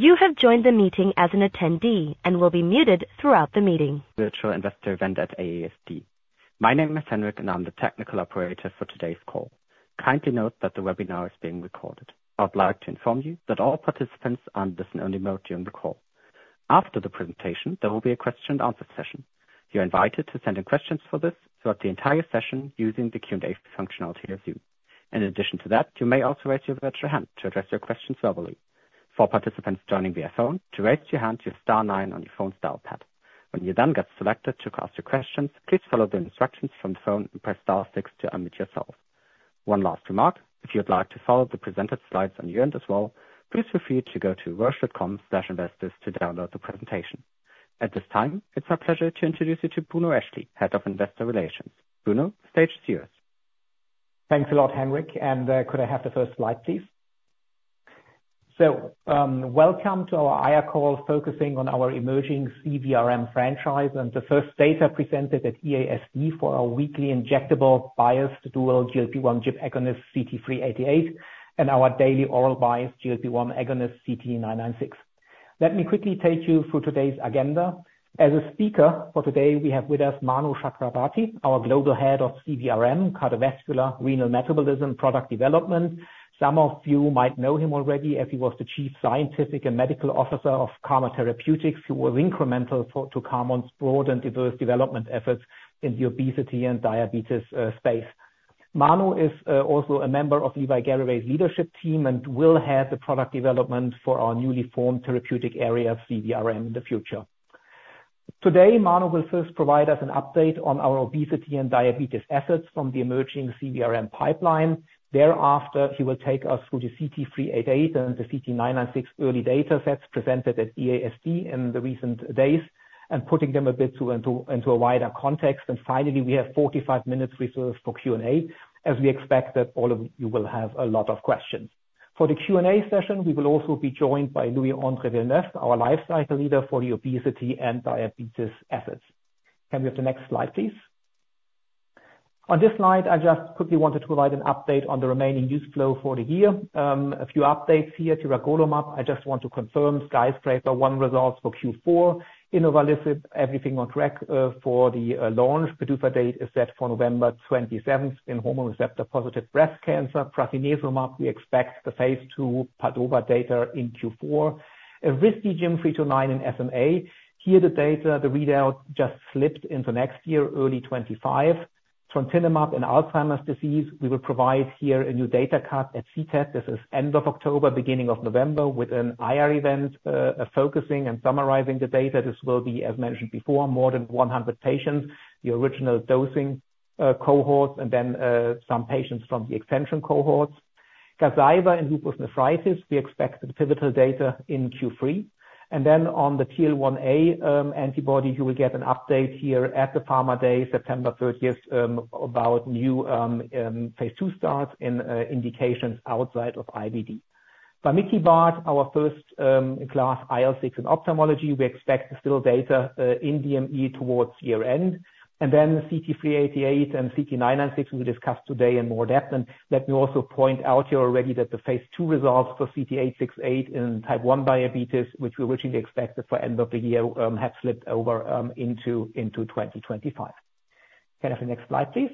You have joined the meeting as an attendee and will be muted throughout the meeting. Virtual investor event at EASD. My name is Henrik, and I'm the technical operator for today's call. Kindly note that the webinar is being recorded. I would like to inform you that all participants are in listen-only mode during the call. After the presentation, there will be a question and answer session. You're invited to send in questions for this throughout the entire session using the Q&A functionality of Zoom. In addition to that, you may also raise your virtual hand to address your questions verbally. For participants joining via phone, to raise your hand, use * nine on your phone's dial pad. When you then get selected to ask your questions, please follow the instructions from the phone and press star six to unmute yourself. One last remark, if you would like to follow the presented slides on your end as well, please feel free to go to roche.com/investors to download the presentation. At this time, it's my pleasure to introduce you to Bruno Rietzschel, Head of Investor Relations. Bruno, stage is yours. Thanks a lot, Henrik, and could I have the first slide, please? Welcome to our IR call, focusing on our emerging CBRM franchise and the first data presented at EASD for our weekly injectable biased dual GLP-1 GIP agonist, CT-388, and our daily oral biased GLP-1 agonist, CT-996. Let me quickly take you through today's agenda. As a speaker for today, we have with us Manu Chakravarthy, our Global Head of CBRM, Cardiovascular, Renal, Metabolism Product Development. Some of you might know him already, as he was the Chief Scientific and Medical Officer of Carmot Therapeutics, who was incremental to Carmot's broad and diverse development efforts in the obesity and diabetes space. Manu is also a member of Levi Garraway's leadership team and will head the product development for our newly formed therapeutic area, CBRM, in the future. Today, Manu will first provide us an update on our obesity and diabetes assets from the emerging CBRM pipeline. Thereafter, he will take us through the CT-388 and the CT-996 early data sets presented at EASD in the recent days, and putting them a bit into a wider context. Finally, we have 45 minutes reserved for Q&A, as we expect that all of you will have a lot of questions. For the Q&A session, we will also be joined by Louis-André Villeneuve, our lifecycle leader for the obesity and diabetes assets. Can we have the next slide, please? On this slide, I just quickly wanted to provide an update on the remaining news flow for the year. A few updates here to Tiragolumab. I just want to confirm SKYSCRAPER-01 results for Q4. Inavolisib, everything on track for the launch. PDUFA date is set for November twenty-seventh in hormone receptor-positive breast cancer. Prasinezumab, we expect the phase two PADOVA data in Q4. Risdiplam in SMA, the data, the readout just slipped into next year, early 2025. Trontinemab in Alzheimer's disease, we will provide a new data cut at CTAD. This is end of October, beginning of November, with an IR event focusing and summarizing the data. This will be, as mentioned before, more than 100 patients, the original dosing cohort, and then some patients from the extension cohorts. Gazyva in lupus nephritis, we expect the pivotal data in Q3. And then on the TL1A antibody, you will get an update here at the Pharma Day, September thirtieth, about new phase two starts and indications outside of IBD. Vamikibart, our first anti-IL-6 in ophthalmology, we expect to see data in DME towards year-end. And then the CT-388 and CT-996, we will discuss today in more depth. And let me also point out here already that the phase 2 results for CT-868 in type one diabetes, which we originally expected for end of the year, have slipped over into 2025. Can I have the next slide, please?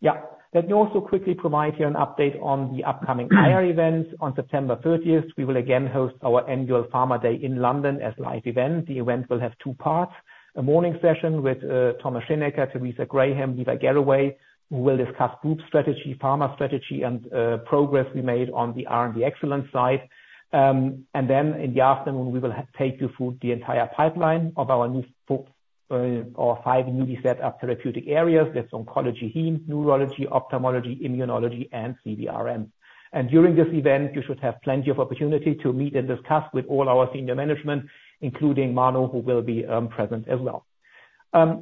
Yeah. Let me also quickly provide you an update on the upcoming IR events. On September thirtieth, we will again host our annual Pharma Day in London as a live event. The event will have two parts: a morning session with Thomas Schinecker, Teresa Graham, Levi Garraway, who will discuss group strategy, pharma strategy and progress we made on the R&D excellence side. And then in the afternoon, we will have take you through the entire pipeline of our new four or five newly set up therapeutic areas. That's oncology, heme, neurology, ophthalmology, immunology, and CBRM. And during this event, you should have plenty of opportunity to meet and discuss with all our senior management, including Manu, who will be present as well.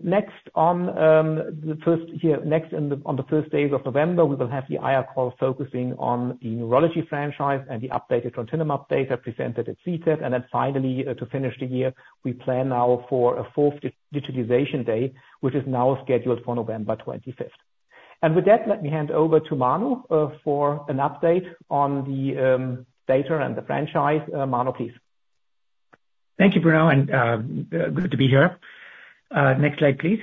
Next, on the first days of November, we will have the IR call focusing on the neurology franchise and the updated Trontinemab data presented at CTAD. And then finally, to finish the year, we plan now for a full Digitalization Day, which is now scheduled for November twenty-fifth. And with that, let me hand over to Manu for an update on the data and the franchise. Manu, please. Thank you, Bruno, and good to be here. Next slide, please.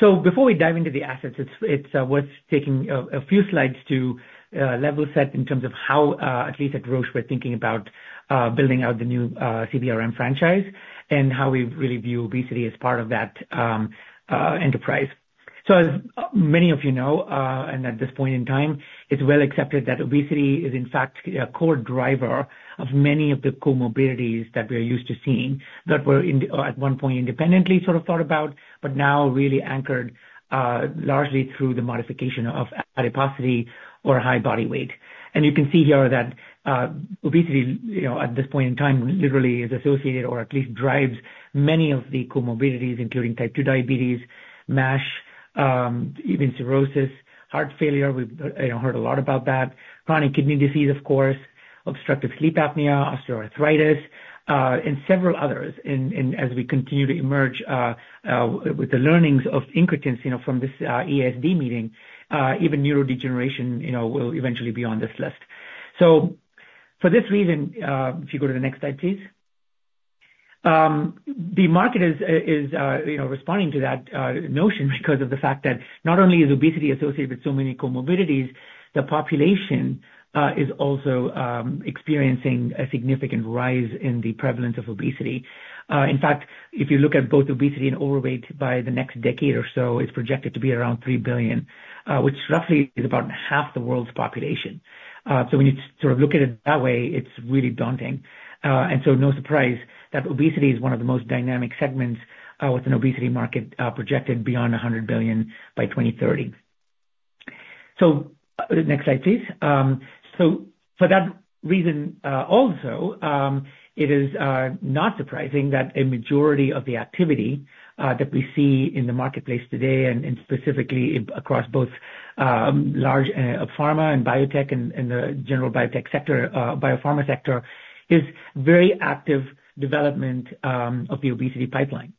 So before we dive into the assets, it's worth taking a few slides to level set in terms of how at least at Roche we're thinking about building out the new CBRM franchise and how we really view obesity as part of that enterprise. So as many of you know and at this point in time, it's well accepted that obesity is in fact a core driver of many of the comorbidities that we're used to seeing, that were at one point independently sort of thought about, but now really anchored largely through the modification of adiposity or high body weight. And you can see here that, obesity, you know, at this point in time, literally is associated or at least drives many of the comorbidities, including type two diabetes, MASH, even cirrhosis, heart failure, we've, you know, heard a lot about that, chronic kidney disease, of course, obstructive sleep apnea, osteoarthritis, and several others. And as we continue to emerge, with the learnings of incretins, you know, from this, EASD meeting, even neurodegeneration, you know, will eventually be on this list. So for this reason, if you go to the next slide, please. The market is, you know, responding to that, notion because of the fact that not only is obesity associated with so many comorbidities, the population, is also, experiencing a significant rise in the prevalence of obesity. In fact, if you look at both obesity and overweight by the next decade or so, it's projected to be around 3 billion, which roughly is about half the world's population. So when you sort of look at it that way, it's really daunting. And so no surprise that obesity is one of the most dynamic segments, with an obesity market projected beyond 100 billion by 2030. So next slide, please. So for that reason, also, it is not surprising that a majority of the activity that we see in the marketplace today, and specifically across both large pharma and biotech and the general biotech sector, biopharma sector, is very active development of the obesity pipeline.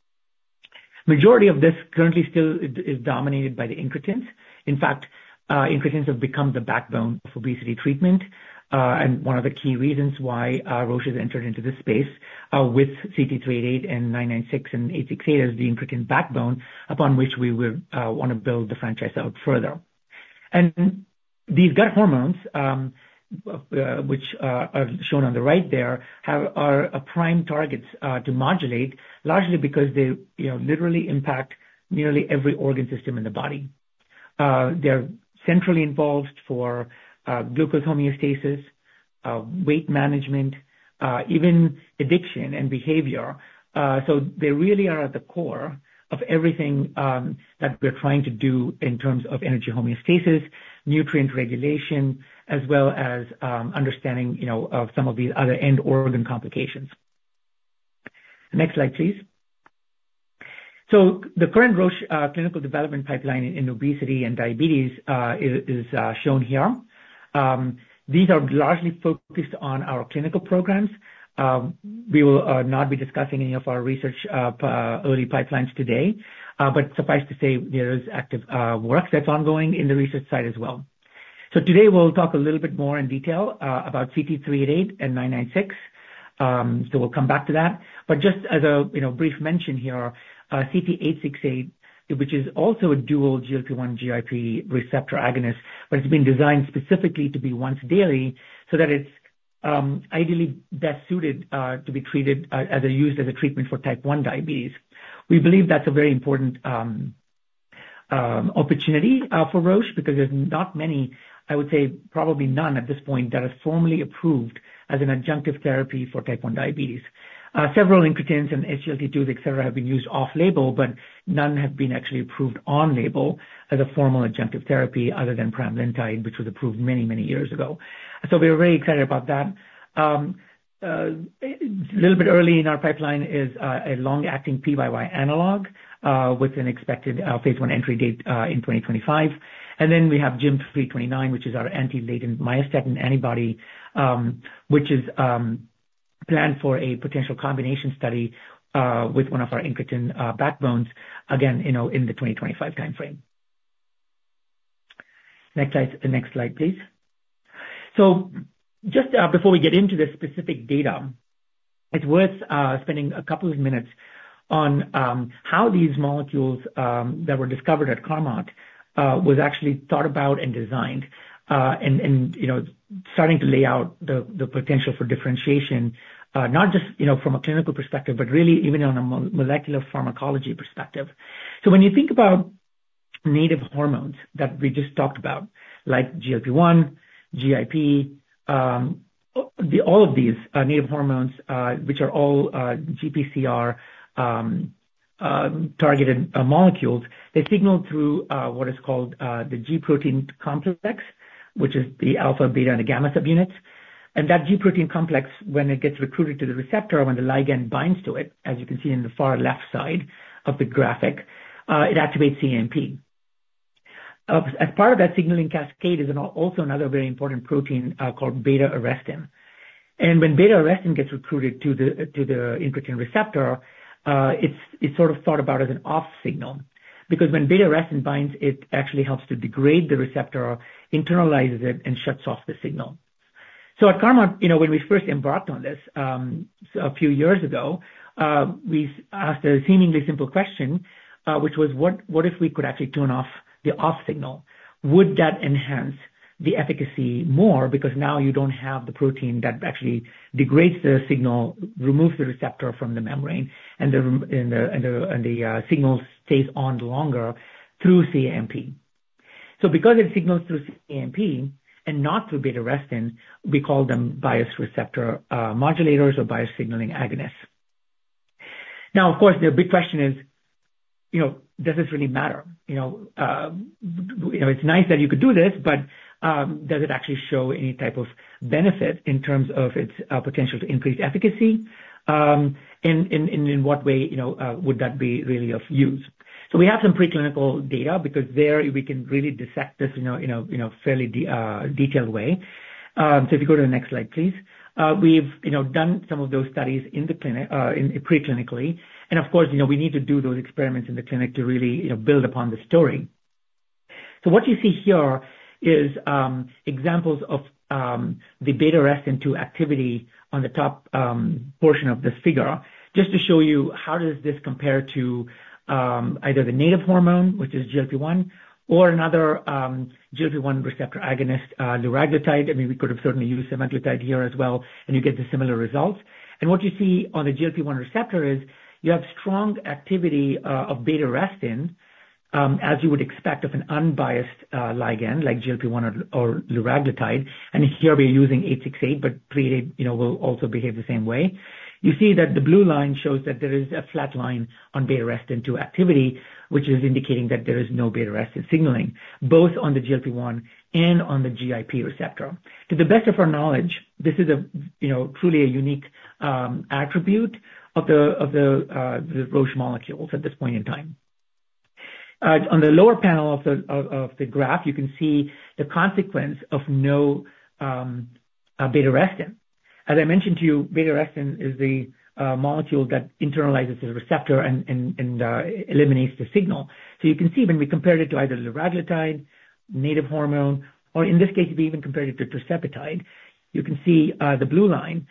Majority of this currently still is dominated by the incretins. In fact, incretins have become the backbone of obesity treatment, and one of the key reasons why, Roche has entered into this space, with CT-388, CT-996, and CT-868 as the incretin backbone, upon which we will wanna build the franchise out further. And these gut hormones, which are shown on the right there, are prime targets to modulate, largely because they, you know, literally impact nearly every organ system in the body. They're centrally involved for glucose homeostasis, weight management, even addiction and behavior. So they really are at the core of everything that we're trying to do in terms of energy homeostasis, nutrient regulation, as well as understanding, you know, of some of the other end organ complications. Next slide, please. So the current Roche clinical development pipeline in obesity and diabetes is shown here. These are largely focused on our clinical programs. We will not be discussing any of our research early pipelines today, but suffice to say, there is active work that's ongoing in the research side as well. Today, we'll talk a little bit more in detail about CT-388 and CT-996. So we'll come back to that. But just as a, you know, brief mention here, CT-868, which is also a dual GLP-1 GIP receptor agonist, but it's been designed specifically to be once daily, so that it's ideally best suited to be treated as a use, as a treatment for type one diabetes. We believe that's a very important opportunity for Roche, because there's not many, I would say probably none at this point, that are formally approved as an adjunctive therapy for type 1 diabetes. Several incretins and SGLT2, et cetera, have been used off-label, but none have been actually approved on-label as a formal adjunctive therapy other than pramlintide, which was approved many, many years ago. So we're very excited about that. A little bit early in our pipeline is a long-acting PYY analog with an expected phase one entry date in twenty twenty-five. And then we have GYM329, which is our anti-latent myostatin antibody, which is planned for a potential combination study with one of our incretin backbones, again, you know, in the twenty twenty-five timeframe. Next slide, the next slide, please. So just before we get into the specific data, it's worth spending a couple of minutes on how these molecules that were discovered at Carmot was actually thought about and designed. And you know, starting to lay out the potential for differentiation, not just, you know, from a clinical perspective, but really even on a molecular pharmacology perspective. When you think about native hormones that we just talked about, like GLP-1, GIP, all of these native hormones, which are all GPCR targeted molecules, they signal through what is called the G protein complex, which is the alpha, beta, and the gamma subunits. And that G protein complex, when it gets recruited to the receptor, when the ligand binds to it, as you can see in the far left side of the graphic, it activates cAMP. As part of that signaling cascade is also another very important protein called beta-arrestin. And when beta-arrestin gets recruited to the incretin receptor, it's sort of thought about as an off signal, because when beta-arrestin binds, it actually helps to degrade the receptor, internalizes it, and shuts off the signal. So at Carmot, you know, when we first embarked on this, a few years ago, we asked a seemingly simple question, which was: What if we could actually turn off the off signal? Would that enhance the efficacy more? Because now you don't have the protein that actually degrades the signal, removes the receptor from the membrane, and the signal stays on longer through cAMP. So because it signals through cAMP and not through beta-arrestin, we call them biased receptor modulators or biased signaling agonists. Now, of course, the big question is, you know, does this really matter? You know, you know, it's nice that you could do this, but, does it actually show any type of benefit in terms of its potential to increase efficacy? And in what way, you know, would that be really of use? So we have some preclinical data, because there we can really dissect this in a fairly detailed way. So if you go to the next slide, please. We've, you know, done some of those studies in the clinic, in preclinically, and of course, you know, we need to do those experiments in the clinic to really, you know, build upon the story, so what you see here is examples of the beta-arrestin 2 activity on the top portion of this figure, just to show you how does this compare to either the native hormone, which is GLP-1, or another GLP-1 receptor agonist, liraglutide. I mean, we could have certainly used semaglutide here as well, and you get the similar results, and what you see on the GLP-1 receptor is, you have strong activity of beta-arrestin, as you would expect of an unbiased ligand like GLP-1 or liraglutide, and here we're using 868, but 388, you know, will also behave the same way. You see that the blue line shows that there is a flat line on Beta-arrestin two activity, which is indicating that there is no Beta-arrestin signaling, both on the GLP-1 and on the GIP receptor. To the best of our knowledge, this is a, you know, truly a unique attribute of the Roche molecules at this point in time. On the lower panel of the graph, you can see the consequence of no Beta-arrestin. As I mentioned to you, Beta-arrestin is the molecule that internalizes the receptor and eliminates the signal. So you can see when we compare it to either liraglutide, native hormone, or in this case, we even compare it to tirzepatide, you can see the blue line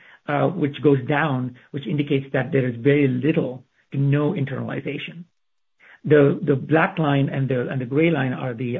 which goes down, which indicates that there is very little to no internalization. The black line and the gray line are the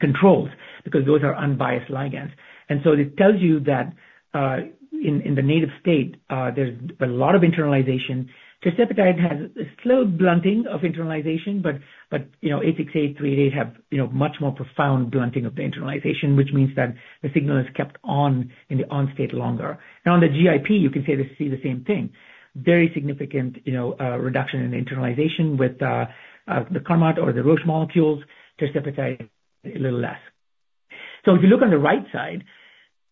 controls, because those are unbiased ligands. And so this tells you that in the native state there's a lot of internalization. Tirzepatide has a slow blunting of internalization, but you know, CT-868, CT-388 have you know, much more profound blunting of the internalization, which means that the signal is kept on in the on state longer. Now, on the GIP, you can see the same thing. Very significant, you know, reduction in internalization with the Carmot or the Roche molecules, tirzepatide, a little less. So if you look on the right side,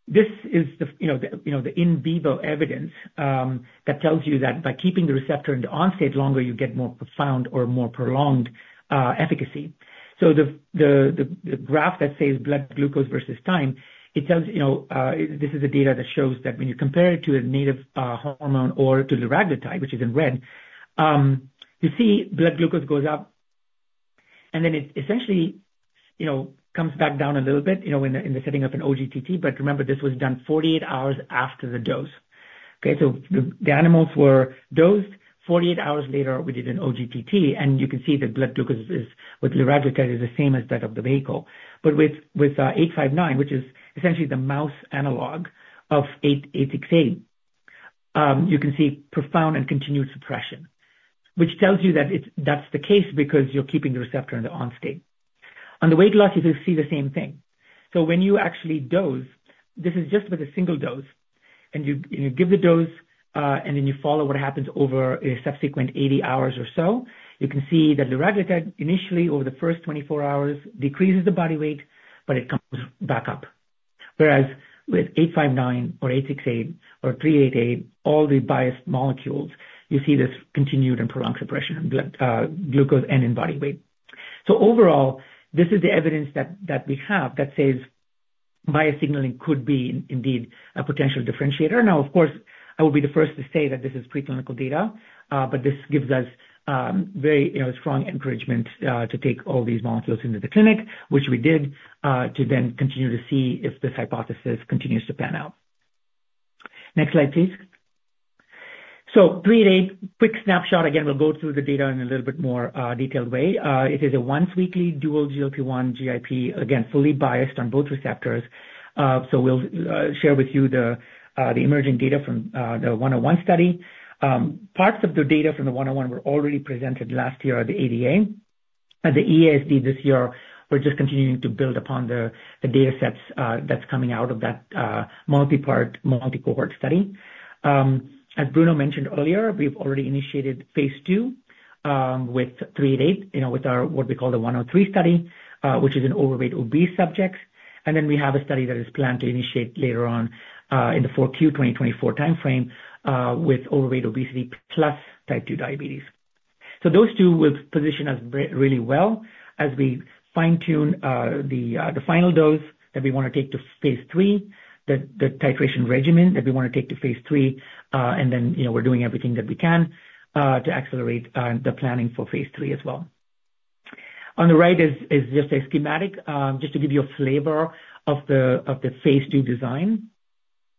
this is the, you know, the in vivo evidence that tells you that by keeping the receptor in the on state longer, you get more profound or more prolonged efficacy. So the graph that says blood glucose versus time, it tells you, you know, this is the data that shows that when you compare it to a native hormone or to liraglutide, which is in red, you see blood glucose goes up, and then it essentially, you know, comes back down a little bit, you know, in the setting of an OGTT, but remember, this was done 48 hours after the dose. Okay, so the animals were dosed forty-eight hours later, we did an OGTT, and you can see the blood glucose is with liraglutide is the same as that of the vehicle. But with 859, which is essentially the mouse analog of 868, you can see profound and continued suppression, which tells you that it's, that's the case because you're keeping the receptor in the on state. On the weight loss, you just see the same thing. So when you actually dose, this is just with a single dose, and you give the dose, and then you follow what happens over a subsequent eighty hours or so. You can see that liraglutide, initially, over the first twenty-four hours, decreases the body weight, but it comes back up. Whereas with 859 or eight six eight or 388, all the biased molecules, you see this continued and prolonged suppression in blood glucose and in body weight. So overall, this is the evidence that that we have that says biased signaling could be indeed a potential differentiator. Now, of course, I will be the first to say that this is preclinical data, but this gives us very, you know, strong encouragement to take all these molecules into the clinic, which we did, to then continue to see if this hypothesis continues to pan out. Next slide, please. So 388, quick snapshot. Again, we'll go through the data in a little bit more detailed way. It is a once weekly dual GLP-1, GIP, again, fully biased on both receptors. So we'll share with you the emerging data from the 101 study. Parts of the data from the 101 were already presented last year at the ADA. At the EASD this year, we're just continuing to build upon the data sets that's coming out of that multi-part, multi-cohort study. As Bruno mentioned earlier, we've already initiated phase two with CT-388, you know, with our what we call the 103 study which is in overweight, obese subjects. And then we have a study that is planned to initiate later on in the Q4 2024 timeframe with overweight, obesity plus type two diabetes. So those two will position us very well as we fine-tune the final dose that we wanna take to phase three, the titration regimen that we wanna take to phase three, and then, you know, we're doing everything that we can to accelerate the planning for phase three as well. On the right is just a schematic just to give you a flavor of the phase two design.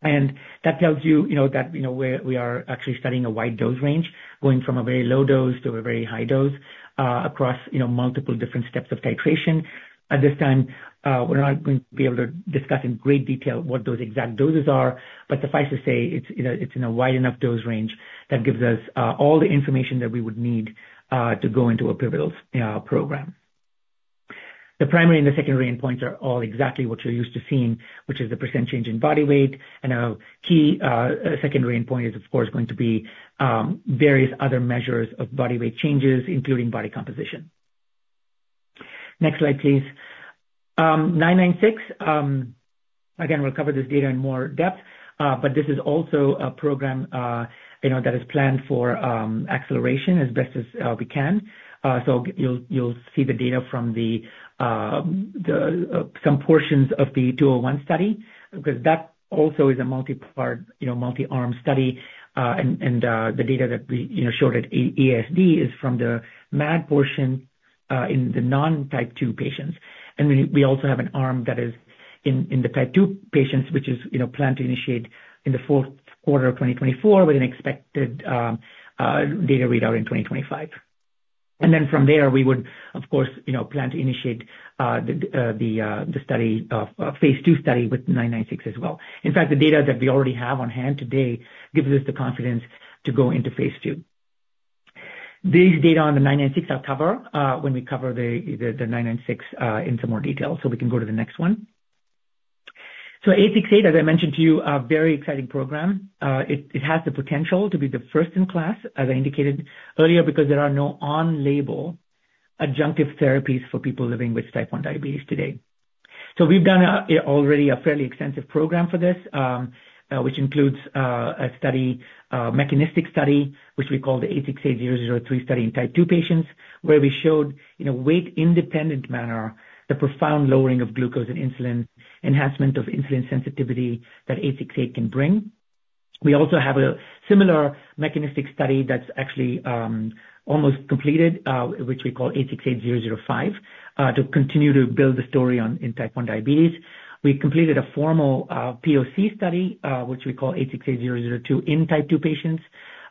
And that tells you, you know, that, you know, we are actually studying a wide dose range, going from a very low dose to a very high dose, across, you know, multiple different steps of titration. At this time, we're not going to be able to discuss in great detail what those exact doses are, but suffice to say, it's, you know, it's in a wide enough dose range that gives us, all the information that we would need, to go into a pivotal, program. The primary and the secondary endpoints are all exactly what you're used to seeing, which is the % change in body weight, and our key, secondary endpoint is, of course, going to be, various other measures of body weight changes, including body composition. Next slide, please. Nine nine six, again, we'll cover this data in more depth, but this is also a program, you know, that is planned for, acceleration as best as, we can. So you'll, you'll see the data from the, The some portions of the 201 study, because that also is a multi-part, you know, multi-arm study. And the data that we, you know, showed at EASD is from the MAD portion in the non-type 2 patients. And we also have an arm that is in the type 2 patients, which is, you know, planned to initiate in the fourth quarter of 2024, with an expected data readout in 2025. And then from there, we would, of course, you know, plan to initiate the phase 2 study with 996 as well. In fact, the data that we already have on hand today gives us the confidence to go into phase 2. These data on the CT-996 I'll cover when we cover the CT-996 in some more detail, so we can go to the next one. So CT-868, as I mentioned to you, a very exciting program. It has the potential to be the first in class, as I indicated earlier, because there are no on-label adjunctive therapies for people living with type one diabetes today. So we've done already a fairly extensive program for this, which includes a study, a mechanistic study, which we call the CT-868-003 study in type two patients, where we showed, in a weight-independent manner, the profound lowering of glucose and insulin, enhancement of insulin sensitivity that CT-868 can bring. We also have a similar mechanistic study that's actually almost completed, which we call 868-005, to continue to build the story on in type one diabetes. We completed a formal POC study, which we call 868-002, in type two patients,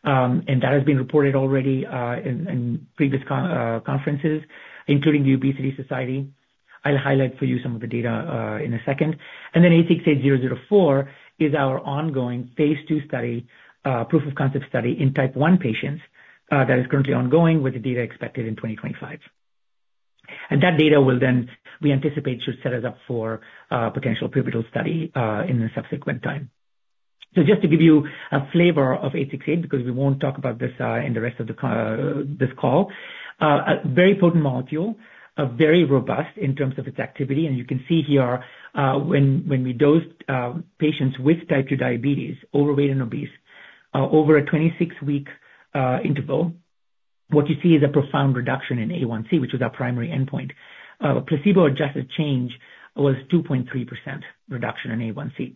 and that has been reported already in previous conferences, including the Obesity Society. I'll highlight for you some of the data in a second, and then 868-004 is our ongoing phase two study, proof of concept study in type one patients, that is currently ongoing with the data expected in 2025, and that data will then, we anticipate, should set us up for potential pivotal study in the subsequent time. Just to give you a flavor of CT-868, because we won't talk about this in the rest of this call. A very potent molecule, very robust in terms of its activity. And you can see here, when we dosed patients with type two diabetes, overweight and obese, over a 26-week interval, what you see is a profound reduction in A1C, which was our primary endpoint. Placebo-adjusted change was 2.3% reduction in A1C.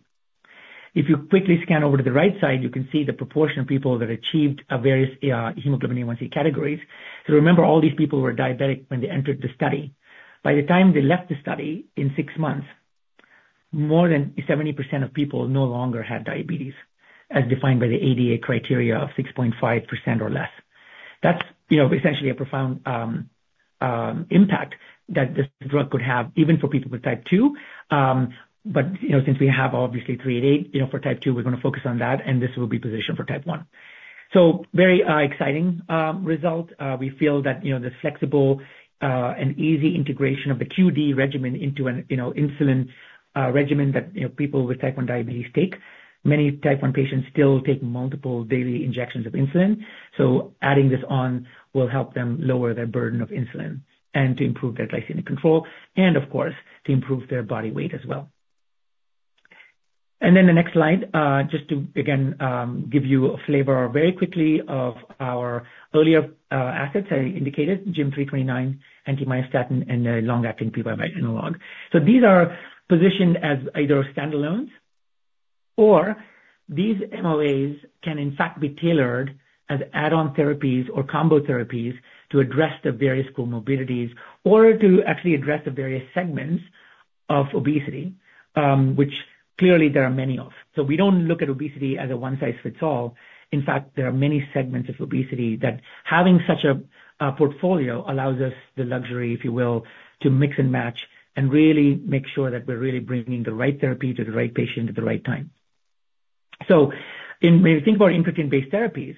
If you quickly scan over to the right side, you can see the proportion of people that achieved various hemoglobin A1C categories. Remember, all these people were diabetic when they entered the study. By the time they left the study in six months, more than 70% of people no longer had diabetes, as defined by the ADA criteria of 6.5% or less. That's, you know, essentially a profound impact that this drug could have even for people with type two. But, you know, since we have obviously CT-388, you know, for type two, we're gonna focus on that, and this will be positioned for type one. So very exciting result. We feel that, you know, the flexible and easy integration of the QD regimen into an, you know, insulin regimen that, you know, people with type one diabetes take. Many type one patients still take multiple daily injections of insulin, so adding this on will help them lower their burden of insulin and to improve their glycemic control and, of course, to improve their body weight as well. And then the next slide, just to again give you a flavor very quickly of our earlier assets I indicated, GYM three twenty-nine, anti-myostatin, and the long-acting PYY analog. So these are positioned as either standalones or these MOAs can in fact be tailored as add-on therapies or combo therapies to address the various comorbidities or to actually address the various segments of obesity, which clearly there are many of. So we don't look at obesity as a one-size-fits-all. In fact, there are many segments of obesity that having such a portfolio allows us the luxury, if you will, to mix and match and really make sure that we're really bringing the right therapy to the right patient at the right time. So when we think about incretin-based therapies,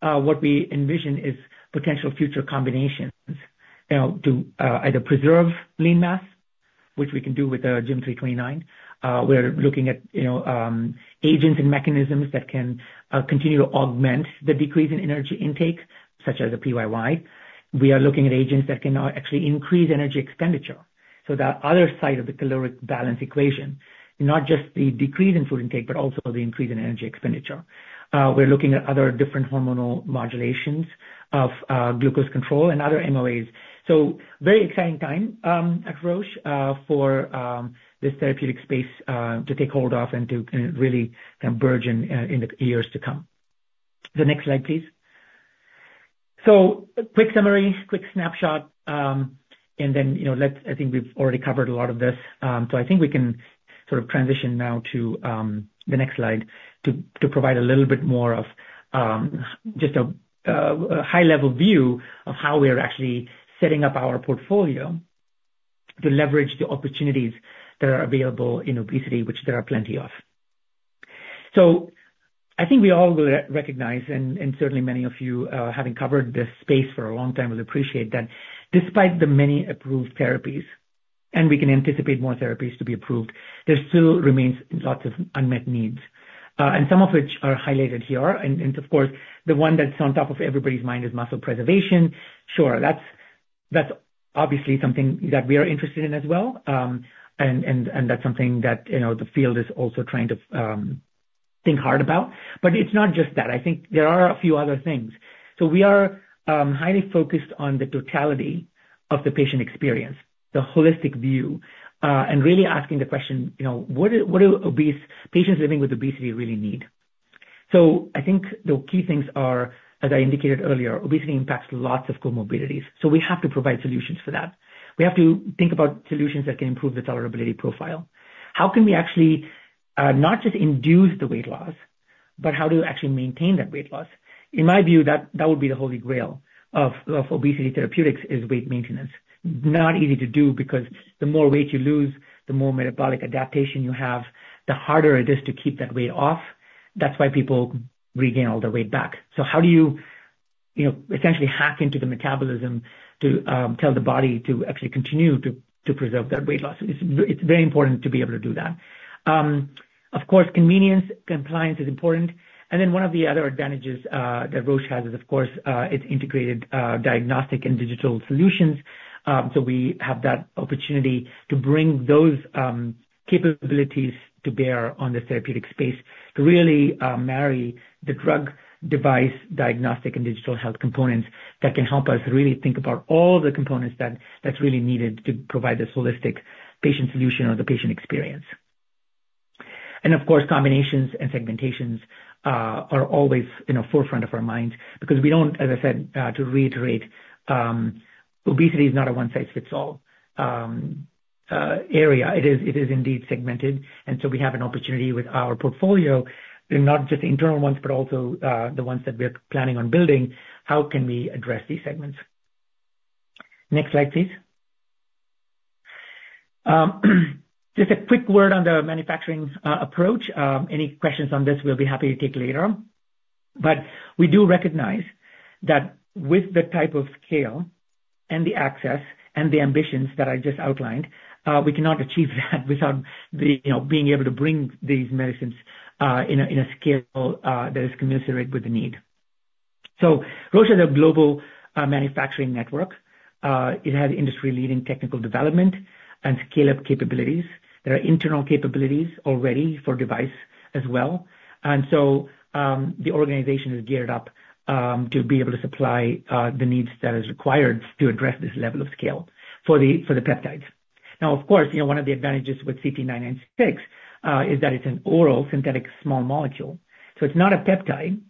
what we envision is potential future combinations, you know, to either preserve lean mass, which we can do with our GYM329. We're looking at, you know, agents and mechanisms that can continue to augment the decrease in energy intake, such as the PYY. We are looking at agents that can actually increase energy expenditure, so that other side of the caloric balance equation, not just the decrease in food intake, but also the increase in energy expenditure. We're looking at other different hormonal modulations of glucose control and other MOAs. So very exciting time at Roche for this therapeutic space to take hold of and to really then burgeon in the years to come. The next slide, please. So quick summary, quick snapshot, and then, you know, let's... I think we've already covered a lot of this. So I think we can sort of transition now to the next slide, to provide a little bit more of just a high-level view of how we are actually setting up our portfolio to leverage the opportunities that are available in obesity, which there are plenty of. So I think we all recognize, and certainly many of you, having covered this space for a long time, will appreciate that despite the many approved therapies, and we can anticipate more therapies to be approved, there still remains lots of unmet needs, and some of which are highlighted here. And of course, the one that's on top of everybody's mind is muscle preservation. Sure, that's obviously something that we are interested in as well. And that's something that, you know, the field is also trying to think hard about. But it's not just that. I think there are a few other things. So we are highly focused on the totality of the patient experience, the holistic view, and really asking the question, you know, what do, what do obese patients living with obesity really need? So I think the key things are, as I indicated earlier, obesity impacts lots of comorbidities, so we have to provide solutions for that. We have to think about solutions that can improve the tolerability profile. How can we actually not just induce the weight loss, but how to actually maintain that weight loss? In my view, that would be the holy grail of obesity therapeutics, is weight maintenance. Not easy to do, because the more weight you lose, the more metabolic adaptation you have, the harder it is to keep that weight off. That's why people regain all their weight back. So how do you, you know, essentially hack into the metabolism to tell the body to actually continue to preserve that weight loss? It's very important to be able to do that. Of course, convenience, compliance is important. And then one of the other advantages that Roche has is, of course, its integrated diagnostic and digital solutions. So we have that opportunity to bring those capabilities to bear on the therapeutic space, to really marry the drug, device, diagnostic and digital health components that can help us really think about all the components that that's really needed to provide this holistic patient solution or the patient experience. And of course, combinations and segmentations are always in the forefront of our minds, because we don't, as I said, to reiterate, obesity is not a one-size-fits-all area. It is, it is indeed segmented, and so we have an opportunity with our portfolio, and not just the internal ones, but also the ones that we're planning on building, how can we address these segments? Next slide, please. Just a quick word on the manufacturing approach. Any questions on this, we'll be happy to take later. But we do recognize that with the type of scale and the access and the ambitions that I just outlined, we cannot achieve that without the, you know, being able to bring these medicines in a scale that is commensurate with the need. So Roche has a global manufacturing network. It has industry-leading technical development and scale-up capabilities. There are internal capabilities already for device as well. And so, the organization is geared up to be able to supply the needs that is required to address this level of scale for the peptides. Now, of course, you know, one of the advantages with CT996 is that it's an oral synthetic small molecule. So it's not a peptide,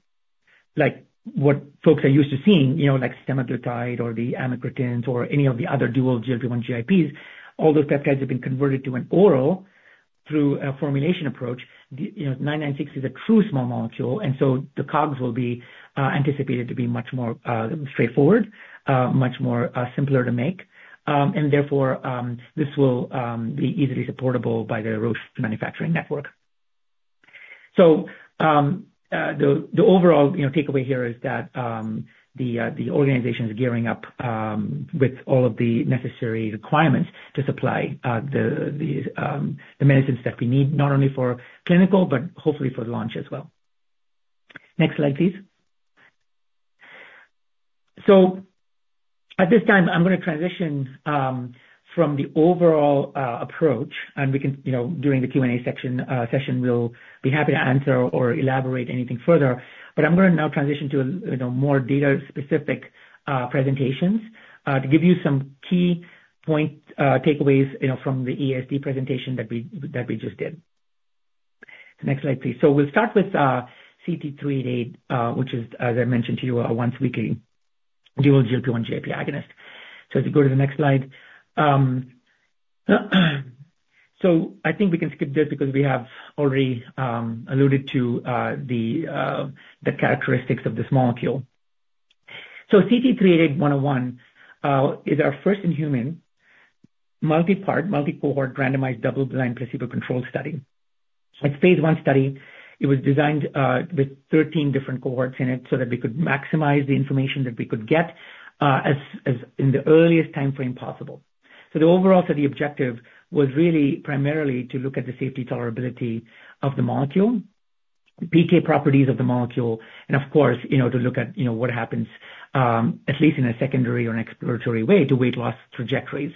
like what folks are used to seeing, you know, like semaglutide or the tirzepatide or any of the other dual GLP-1/GIPs. All those peptides have been converted to an oral through a formulation approach. The, you know, CT-996 is a true small molecule, and so the COGS will be anticipated to be much more straightforward, much more simpler to make. And therefore, this will be easily supportable by the Roche manufacturing network. So, the overall, you know, takeaway here is that, the organization is gearing up with all of the necessary requirements to supply the medicines that we need, not only for clinical, but hopefully for the launch as well. Next slide, please. So at this time, I'm gonna transition from the overall approach, and we can, you know, during the Q&A section, session, we'll be happy to answer or elaborate anything further. But I'm gonna now transition to, you know, more data-specific presentations to give you some key point takeaways, you know, from the EASD presentation that we just did. Next slide, please. So we'll start with CT-388, which is, as I mentioned to you, a once-weekly dual GLP-1/GIP agonist. So if you go to the next slide. So I think we can skip this because we have already alluded to the characteristics of this molecule. So CT-388-101 is our first in-human, multi-part, multi-cohort, randomized, double-blind, placebo-controlled study. It's phase one study. It was designed with thirteen different cohorts in it so that we could maximize the information that we could get as in the earliest timeframe possible. So the overall study objective was really primarily to look at the safety tolerability of the molecule, PK properties of the molecule, and of course, you know, to look at, you know, what happens at least in a secondary or an exploratory way to weight loss trajectories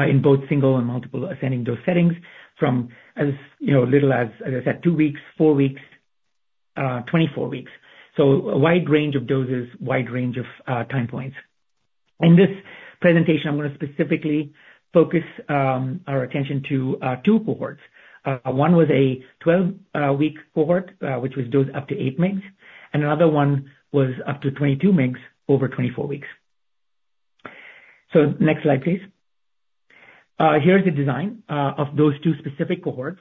in both single and multiple ascending dose settings from as little as I said, two weeks, four weeks, twenty-four weeks. So a wide range of doses, wide range of time points. In this presentation, I'm gonna specifically focus our attention to two cohorts. One was a 12-week cohort, which was dosed up to 8 mg, and another one was up to 22 mg over 24 weeks. So next slide, please. Here is the design of those two specific cohorts.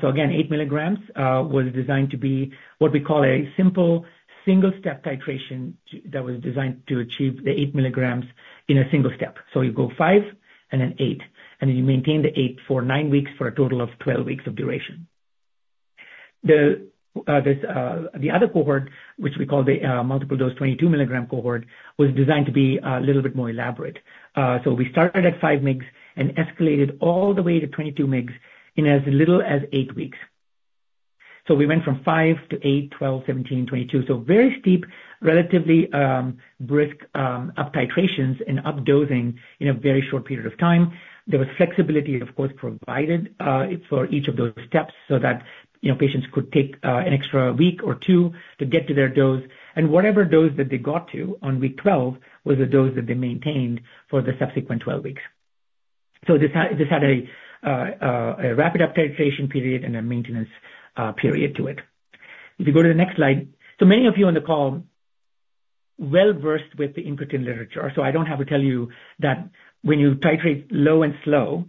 So again, 8 milligrams was designed to be what we call a simple single-step titration to that was designed to achieve the 8 milligrams in a single step. So you go five and then eight, and then you maintain the eight for nine weeks for a total of 12 weeks of duration. The other cohort, which we call the multiple-dose 22 milligram cohort, was designed to be a little bit more elaborate. So we started at five mg and escalated all the way to 22 mg in as little as eight weeks. So we went from five to eight, twelve, seventeen, twenty-two. So very steep, relatively, brisk, up titrations and up dosing in a very short period of time. There was flexibility, of course, provided for each of those steps so that, you know, patients could take an extra week or two to get to their dose, and whatever dose that they got to on week twelve was the dose that they maintained for the subsequent twelve weeks. So this had a rapid up titration period and a maintenance period to it. If you go to the next slide. So many of you on the call well-versed with the incretin literature, so I don't have to tell you that when you titrate low and slow,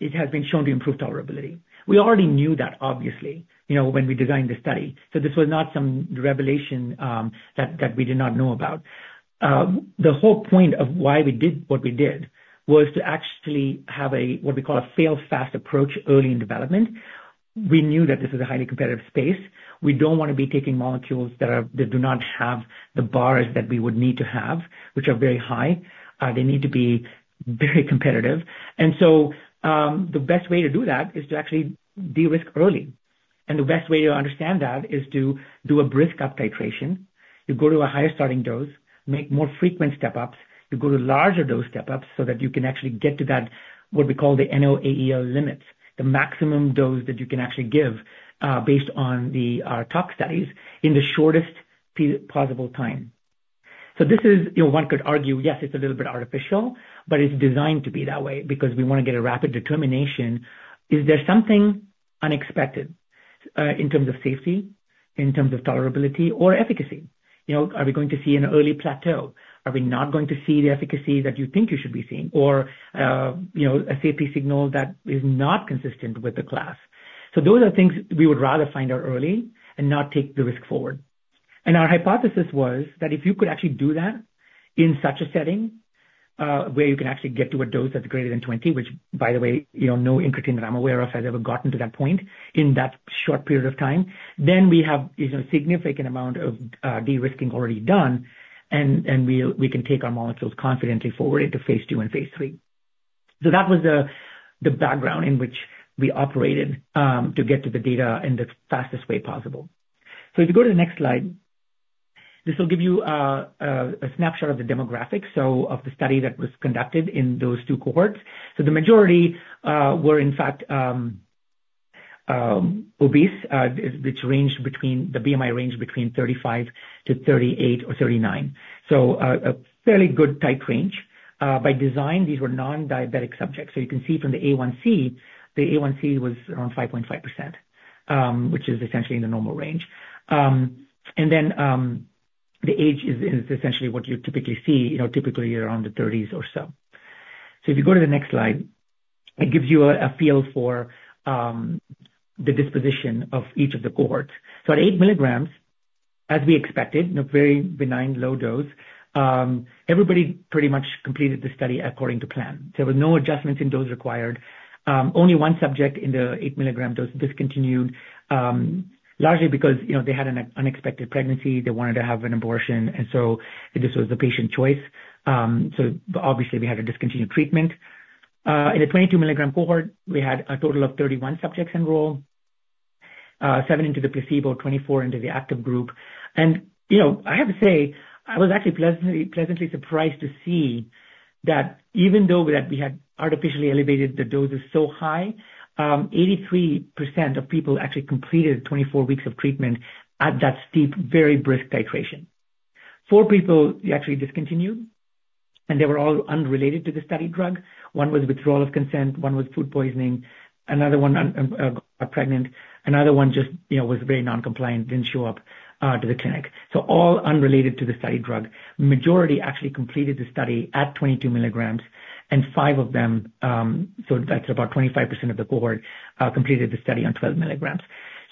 it has been shown to improve tolerability. We already knew that, obviously, you know, when we designed the study. So this was not some revelation, that we did not know about. The whole point of why we did what we did was to actually have a, what we call a fail fast approach early in development. We knew that this is a highly competitive space. We don't wanna be taking molecules that do not have the bars that we would need to have, which are very high. They need to be very competitive. And so, the best way to do that is to actually de-risk early. And the best way to understand that is to do a brisk up titration. You go to a higher starting dose, make more frequent step ups, you go to larger dose step ups so that you can actually get to that, what we call the NOAEL limits, the maximum dose that you can actually give, based on the tox studies in the shortest possible time. So this is, you know, one could argue, yes, it's a little bit artificial, but it's designed to be that way because we wanna get a rapid determination. Is there something unexpected in terms of safety, in terms of tolerability or efficacy? You know, are we going to see an early plateau? Are we not going to see the efficacy that you think you should be seeing? Or, you know, a safety signal that is not consistent with the class. So those are things we would rather find out early and not take the risk forward. And our hypothesis was that if you could actually do that in such a setting, where you can actually get to a dose that's greater than twenty, which, by the way, you know, no incretin that I'm aware of has ever gotten to that point in that short period of time, then we have, you know, a significant amount of de-risking already done, and we can take our molecules confidently forward into phase two and phase three. So that was the background in which we operated to get to the data in the fastest way possible. So if you go to the next slide, this will give you a snapshot of the demographics so of the study that was conducted in those two cohorts. The majority were in fact obese, which ranged between the BMI range between 35-38 or 39. A fairly good type range. By design, these were non-diabetic subjects. You can see from the A1C, the A1C was around 5.5%, which is essentially in the normal range. And then, the age is essentially what you typically see, you know, typically around the thirties or so. If you go to the next slide, it gives you a feel for the disposition of each of the cohorts. At eight milligrams, as we expected, you know, very benign, low dose, everybody pretty much completed the study according to plan. There were no adjustments in dose required. Only one subject in the 8 milligram dose discontinued, largely because, you know, they had an unexpected pregnancy. They wanted to have an abortion, and so this was the patient choice. So obviously, we had to discontinue treatment. In the 22 milligram cohort, we had a total of 31 subjects enroll, seven into the placebo, 24 into the active group. And, you know, I have to say, I was actually pleasantly surprised to see that even though that we had artificially elevated the doses so high, 83% of people actually completed 24 weeks of treatment at that steep, very brisk titration. Four people, we actually discontinued, and they were all unrelated to the study drug. One was withdrawal of consent, one was food poisoning, another one got pregnant, another one just, you know, was very non-compliant, didn't show up to the clinic. So all unrelated to the study drug. Majority actually completed the study at 22 milligrams, and five of them, so that's about 25% of the cohort, completed the study on 12 milligrams.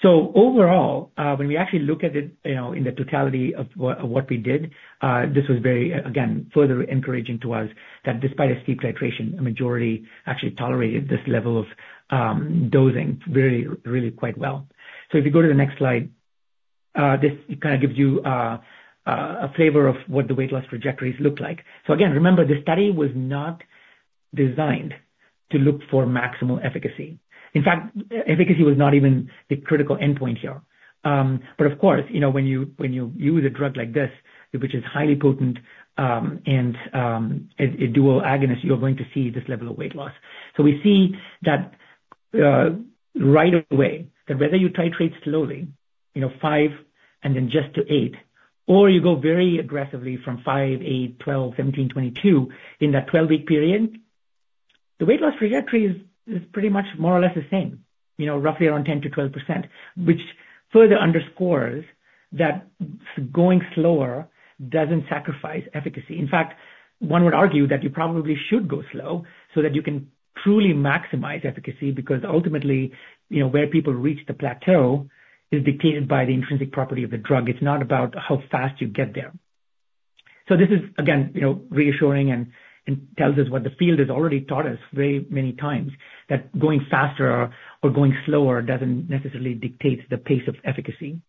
So overall, when we actually look at it, you know, in the totality of what we did, this was very, again, further encouraging to us, that despite a steep titration, a majority actually tolerated this level of dosing really, really quite well. So if you go to the next slide, this kinda gives you a flavor of what the weight loss trajectories look like. So again, remember, the study was not designed to look for maximal efficacy. In fact, efficacy was not even the critical endpoint here, but of course, you know, when you use a drug like this, which is highly potent, and a dual agonist, you're going to see this level of weight loss, so we see that right away, that whether you titrate slowly, you know, five and then just to eight, or you go very aggressively from five, eight, 12, 17, 22, in that 12-week period, the weight loss trajectory is pretty much more or less the same, you know, roughly around 10% to 12%, which further underscores that going slower doesn't sacrifice efficacy. In fact, one would argue that you probably should go slow so that you can truly maximize efficacy, because ultimately, you know, where people reach the plateau is dictated by the intrinsic property of the drug. It's not about how fast you get there. So this is, again, you know, reassuring and tells us what the field has already taught us very many times, that going faster or going slower doesn't necessarily dictate the pace of efficacy.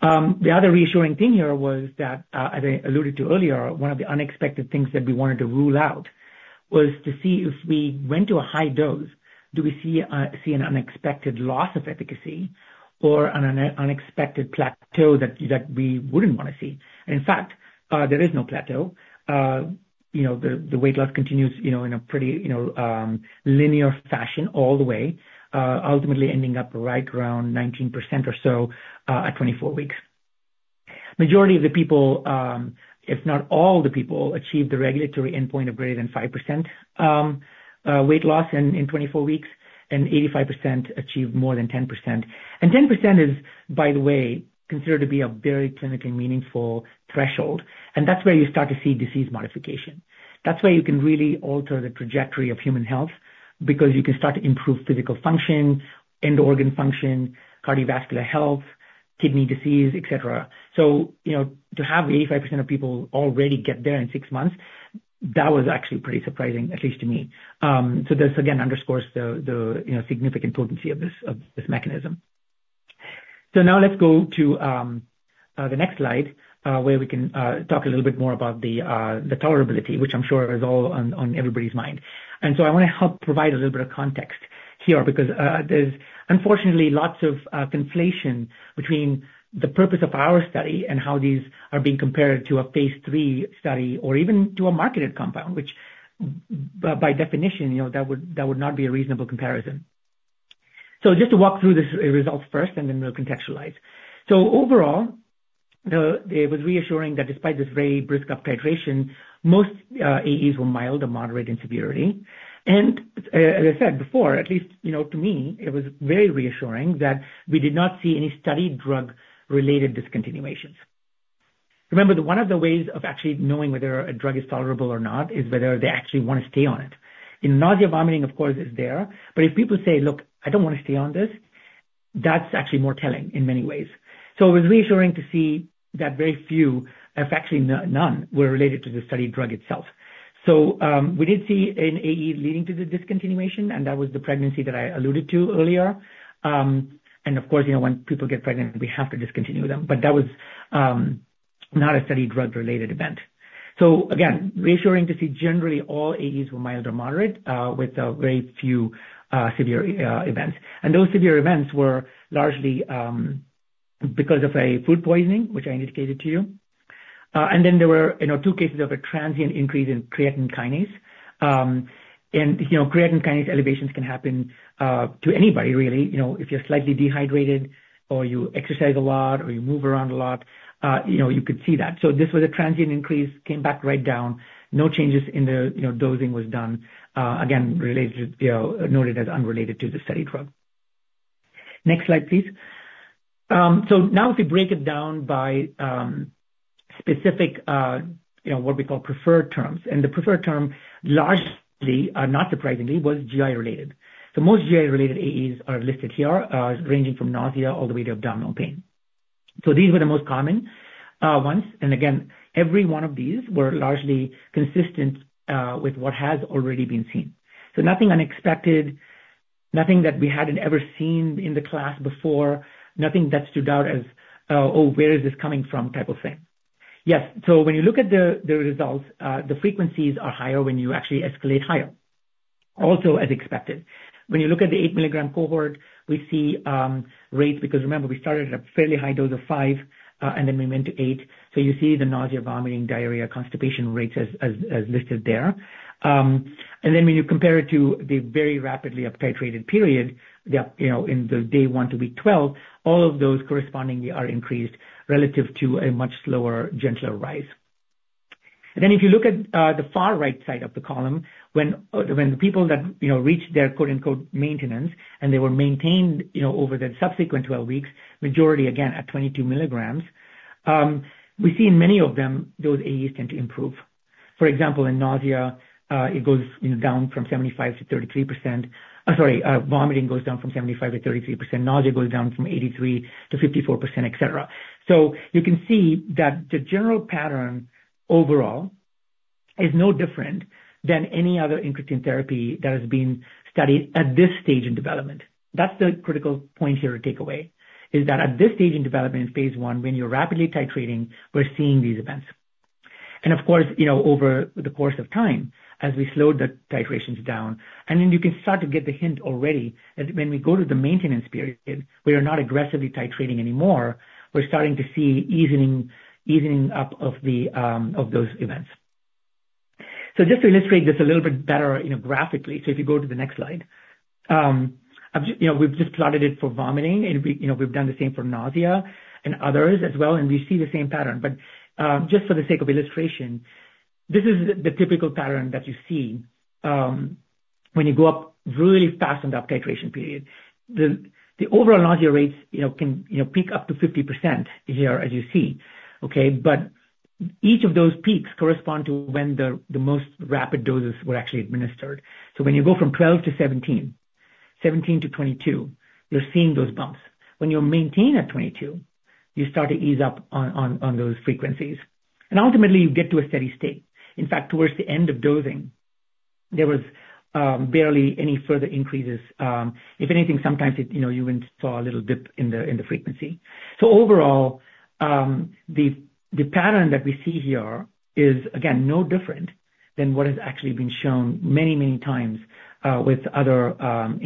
The other reassuring thing here was that, as I alluded to earlier, one of the unexpected things that we wanted to rule out was to see if we went to a high dose, do we see an unexpected loss of efficacy or an unexpected plateau that we wouldn't wanna see? In fact, there is no plateau. You know, the weight loss continues, you know, in a pretty, you know, linear fashion all the way, ultimately ending up right around 19% or so, at 24 weeks. Majority of the people, if not all the people, achieved the regulatory endpoint of greater than 5% weight loss in 24 weeks, and 85% achieved more than 10%. 10% is, by the way, considered to be a very clinically meaningful threshold, and that's where you start to see disease modification. That's where you can really alter the trajectory of human health, because you can start to improve physical function, end organ function, cardiovascular health, kidney disease, et cetera. You know, to have 85% of people already get there in six months, that was actually pretty surprising, at least to me. This again underscores the significant potency of this mechanism. So now let's go to the next slide, where we can talk a little bit more about the tolerability, which I'm sure is all on everybody's mind. And so I wanna help provide a little bit of context here, because there's unfortunately lots of conflation between the purpose of our study and how these are being compared to a phase 3 study or even to a marketed compound, which by definition, you know, that would not be a reasonable comparison. So just to walk through the results first, and then we'll contextualize. So overall, it was reassuring that despite this very brisk up titration, most AEs were mild or moderate in severity. As I said before, at least, you know, to me, it was very reassuring that we did not see any study drug-related discontinuations. Remember that one of the ways of actually knowing whether a drug is tolerable or not is whether they actually wanna stay on it. And nausea, vomiting, of course, is there, but if people say, "Look, I don't wanna stay on this," that's actually more telling in many ways. So it was reassuring to see that very few, if actually none, were related to the study drug itself. So, we did see an AE leading to the discontinuation, and that was the pregnancy that I alluded to earlier. And of course, you know, when people get pregnant, we have to discontinue them, but that was not a study drug-related event. So again, reassuring to see generally all AEs were mild or moderate, with very few severe events. And those severe events were largely because of a food poisoning, which I indicated to you. And then there were, you know, two cases of a transient increase in creatine kinase. And, you know, creatine kinase elevations can happen to anybody really, you know, if you're slightly dehydrated or you exercise a lot or you move around a lot, you know, you could see that. So this was a transient increase, came back right down, no changes in the, you know, dosing was done, again, related to, you know, noted as unrelated to the study drug. Next slide, please. So now if we break it down by specific, you know, what we call preferred terms, and the preferred term, largely, not surprisingly, was GI-related. So most GI-related AEs are listed here, ranging from nausea all the way to abdominal pain. So these were the most common ones, and again, every one of these were largely consistent with what has already been seen. So nothing unexpected, nothing that we hadn't ever seen in the class before, nothing that stood out as "Oh, where is this coming from?" type of thing. Yes, so when you look at the results, the frequencies are higher when you actually escalate higher. Also, as expected, when you look at the eight-milligram cohort, we see rates, because remember, we started at a fairly high dose of five, and then we went to eight. So you see the nausea, vomiting, diarrhea, constipation rates as listed there. And then when you compare it to the very rapidly up titrated period, you know, in the day one to week 12, all of those correspondingly are increased relative to a much slower, gentler rise. And then if you look at the far right side of the column, when the people that, you know, reached their quote-unquote, "maintenance," and they were maintained, you know, over the subsequent 12 weeks, majority again, at 22 milligrams, we see in many of them, those AEs tend to improve. For example, in nausea, it goes, you know, down from 75% to 33%... vomiting goes down from 75% to 33%. Nausea goes down from 83% to 54%, et cetera. So you can see that the general pattern overall is no different than any other incretin therapy that has been studied at this stage in development. That's the critical point here to take away, is that at this stage in development, in phase 1, when you're rapidly titrating, we're seeing these events. And of course, you know, over the course of time, as we slowed the titrations down, and then you can start to get the hint already, as when we go to the maintenance period, we are not aggressively titrating anymore, we're starting to see easing, easing up of the, of those events. So just to illustrate this a little bit better, you know, graphically, so if you go to the next slide. I've just, you know, we've just plotted it for vomiting, and we, you know, we've done the same for nausea and others as well, and we see the same pattern. But just for the sake of illustration, this is the typical pattern that you see when you go up really fast on the titration period. The overall nausea rates, you know, can, you know, peak up to 50% here, as you see, okay? But each of those peaks correspond to when the most rapid doses were actually administered. So when you go from 12 to 17, 17 to 22, you're seeing those bumps. When you're maintained at 22, you start to ease up on those frequencies, and ultimately, you get to a steady state. In fact, towards the end of dosing, there was barely any further increases. If anything, sometimes it, you know, you even saw a little dip in the frequency. So overall, the pattern that we see here is, again, no different than what has actually been shown many, many times, with other,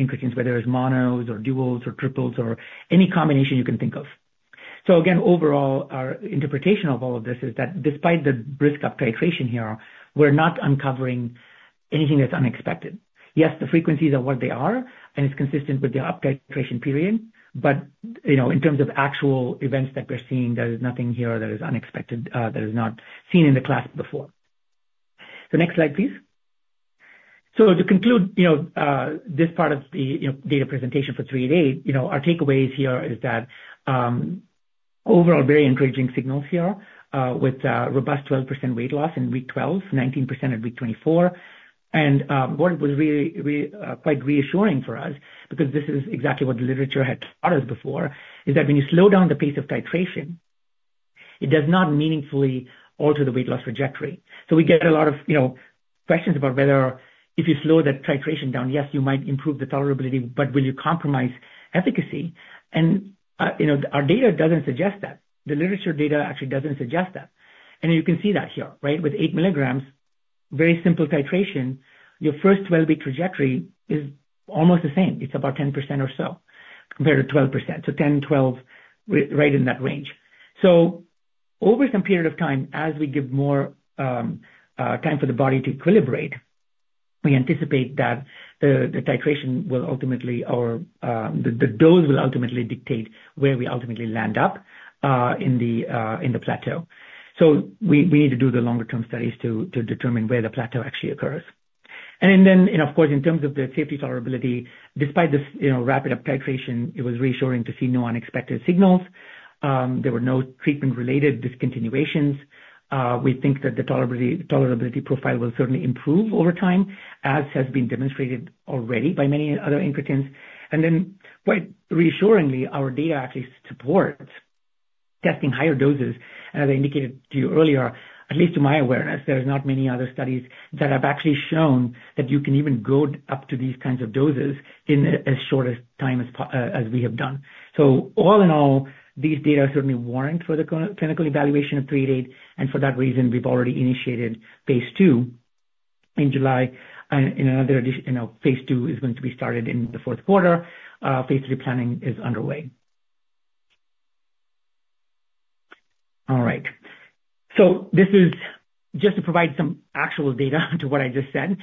incretins, whether it's monos or duos or triples or any combination you can think of. So again, overall, our interpretation of all of this is that despite the brisk up titration here, we're not uncovering anything that's unexpected. Yes, the frequencies are what they are, and it's consistent with the up titration period, but, you know, in terms of actual events that we're seeing, there is nothing here that is unexpected, that is not seen in the class before. So next slide, please. So to conclude, you know, this part of the, you know, data presentation for CT-388, you know, our takeaways here is that, overall very encouraging signals here, with robust 12% weight loss in week 12, 19% at week 24. And, what was really, really, quite reassuring for us, because this is exactly what the literature had taught us before, is that when you slow down the pace of titration, it does not meaningfully alter the weight loss trajectory. So we get a lot of, you know, questions about whether if you slow that titration down, yes, you might improve the tolerability, but will you compromise efficacy? And, you know, our data doesn't suggest that. The literature data actually doesn't suggest that. And you can see that here, right? With eight milligrams, very simple titration, your first 12-week trajectory is almost the same. It's about 10% or so, compared to 12%. So 10, 12, right in that range. So over some period of time, as we give more time for the body to equilibrate, we anticipate that the titration will ultimately or the dose will ultimately dictate where we ultimately land up in the plateau. So we need to do the longer term studies to determine where the plateau actually occurs. And then, you know, of course, in terms of the safety tolerability, despite this, you know, rapid up titration, it was reassuring to see no unexpected signals. There were no treatment-related discontinuations. We think that the tolerability profile will certainly improve over time, as has been demonstrated already by many other incretins. And then, quite reassuringly, our data actually supports testing higher doses. As I indicated to you earlier, at least to my awareness, there are not many other studies that have actually shown that you can even go up to these kinds of doses in as short a time as we have done. So all in all, these data certainly warrant for the clinical evaluation of three eight, and for that reason, we've already initiated phase two in July. And another addition, you know, phase two is going to be started in the fourth quarter. Phase three planning is underway. All right. So this is just to provide some actual data to what I just said.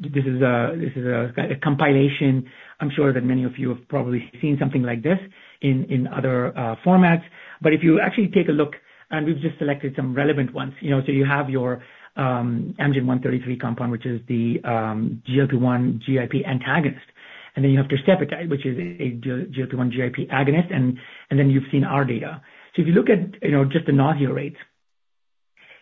This is a compilation. I'm sure that many of you have probably seen something like this in other formats. But if you actually take a look, and we've just selected some relevant ones, you know, so you have your AMG 133 compound, which is the GLP-1 GIP antagonist, and then you have tirzepatide, which is a GLP-1 GIP agonist, and then you've seen our data. So if you look at, you know, just the nausea rates,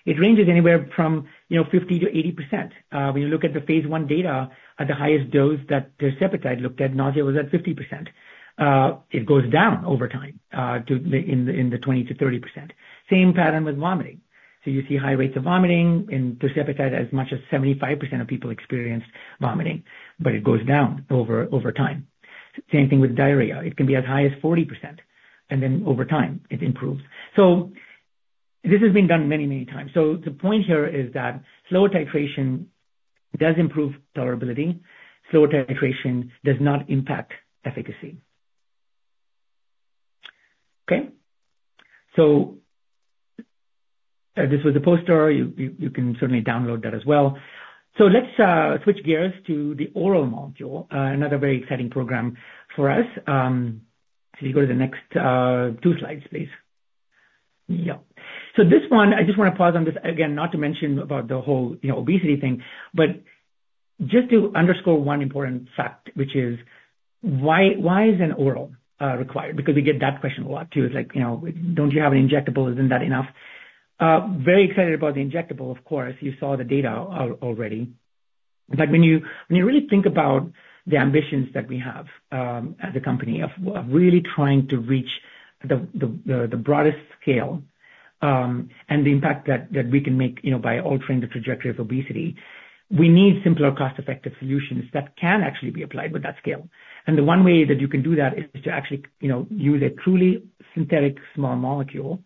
it ranges anywhere from, you know, 50% to 80%. When you look at the phase 1 data at the highest dose that tirzepatide looked at, nausea was at 50%. It goes down over time to the 20% to 30%. Same pattern with vomiting. You see high rates of vomiting, in tirzepatide as much as 75% of people experienced vomiting, but it goes down over time. Same thing with diarrhea. It can be as high as 40%, and then over time, it improves. This has been done many times. The point here is that slower titration does improve tolerability. Slower titration does not impact efficacy. Okay. This was a poster. You can certainly download that as well. Let's switch gears to the oral module, another very exciting program for us. You go to the next two slides, please. Yeah. This one, I just wanna pause on this, again, not to mention about the whole, you know, obesity thing, but just to underscore one important fact, which is why is an oral required? Because we get that question a lot, too. It's like, you know, "Don't you have an injectable? Isn't that enough?" Very excited about the injectable, of course. You saw the data already. But when you really think about the ambitions that we have as a company of really trying to reach the broadest scale and the impact that we can make, you know, by altering the trajectory of obesity, we need simpler, cost-effective solutions that can actually be applied with that scale. And the one way that you can do that is to actually, you know, use a truly synthetic small molecule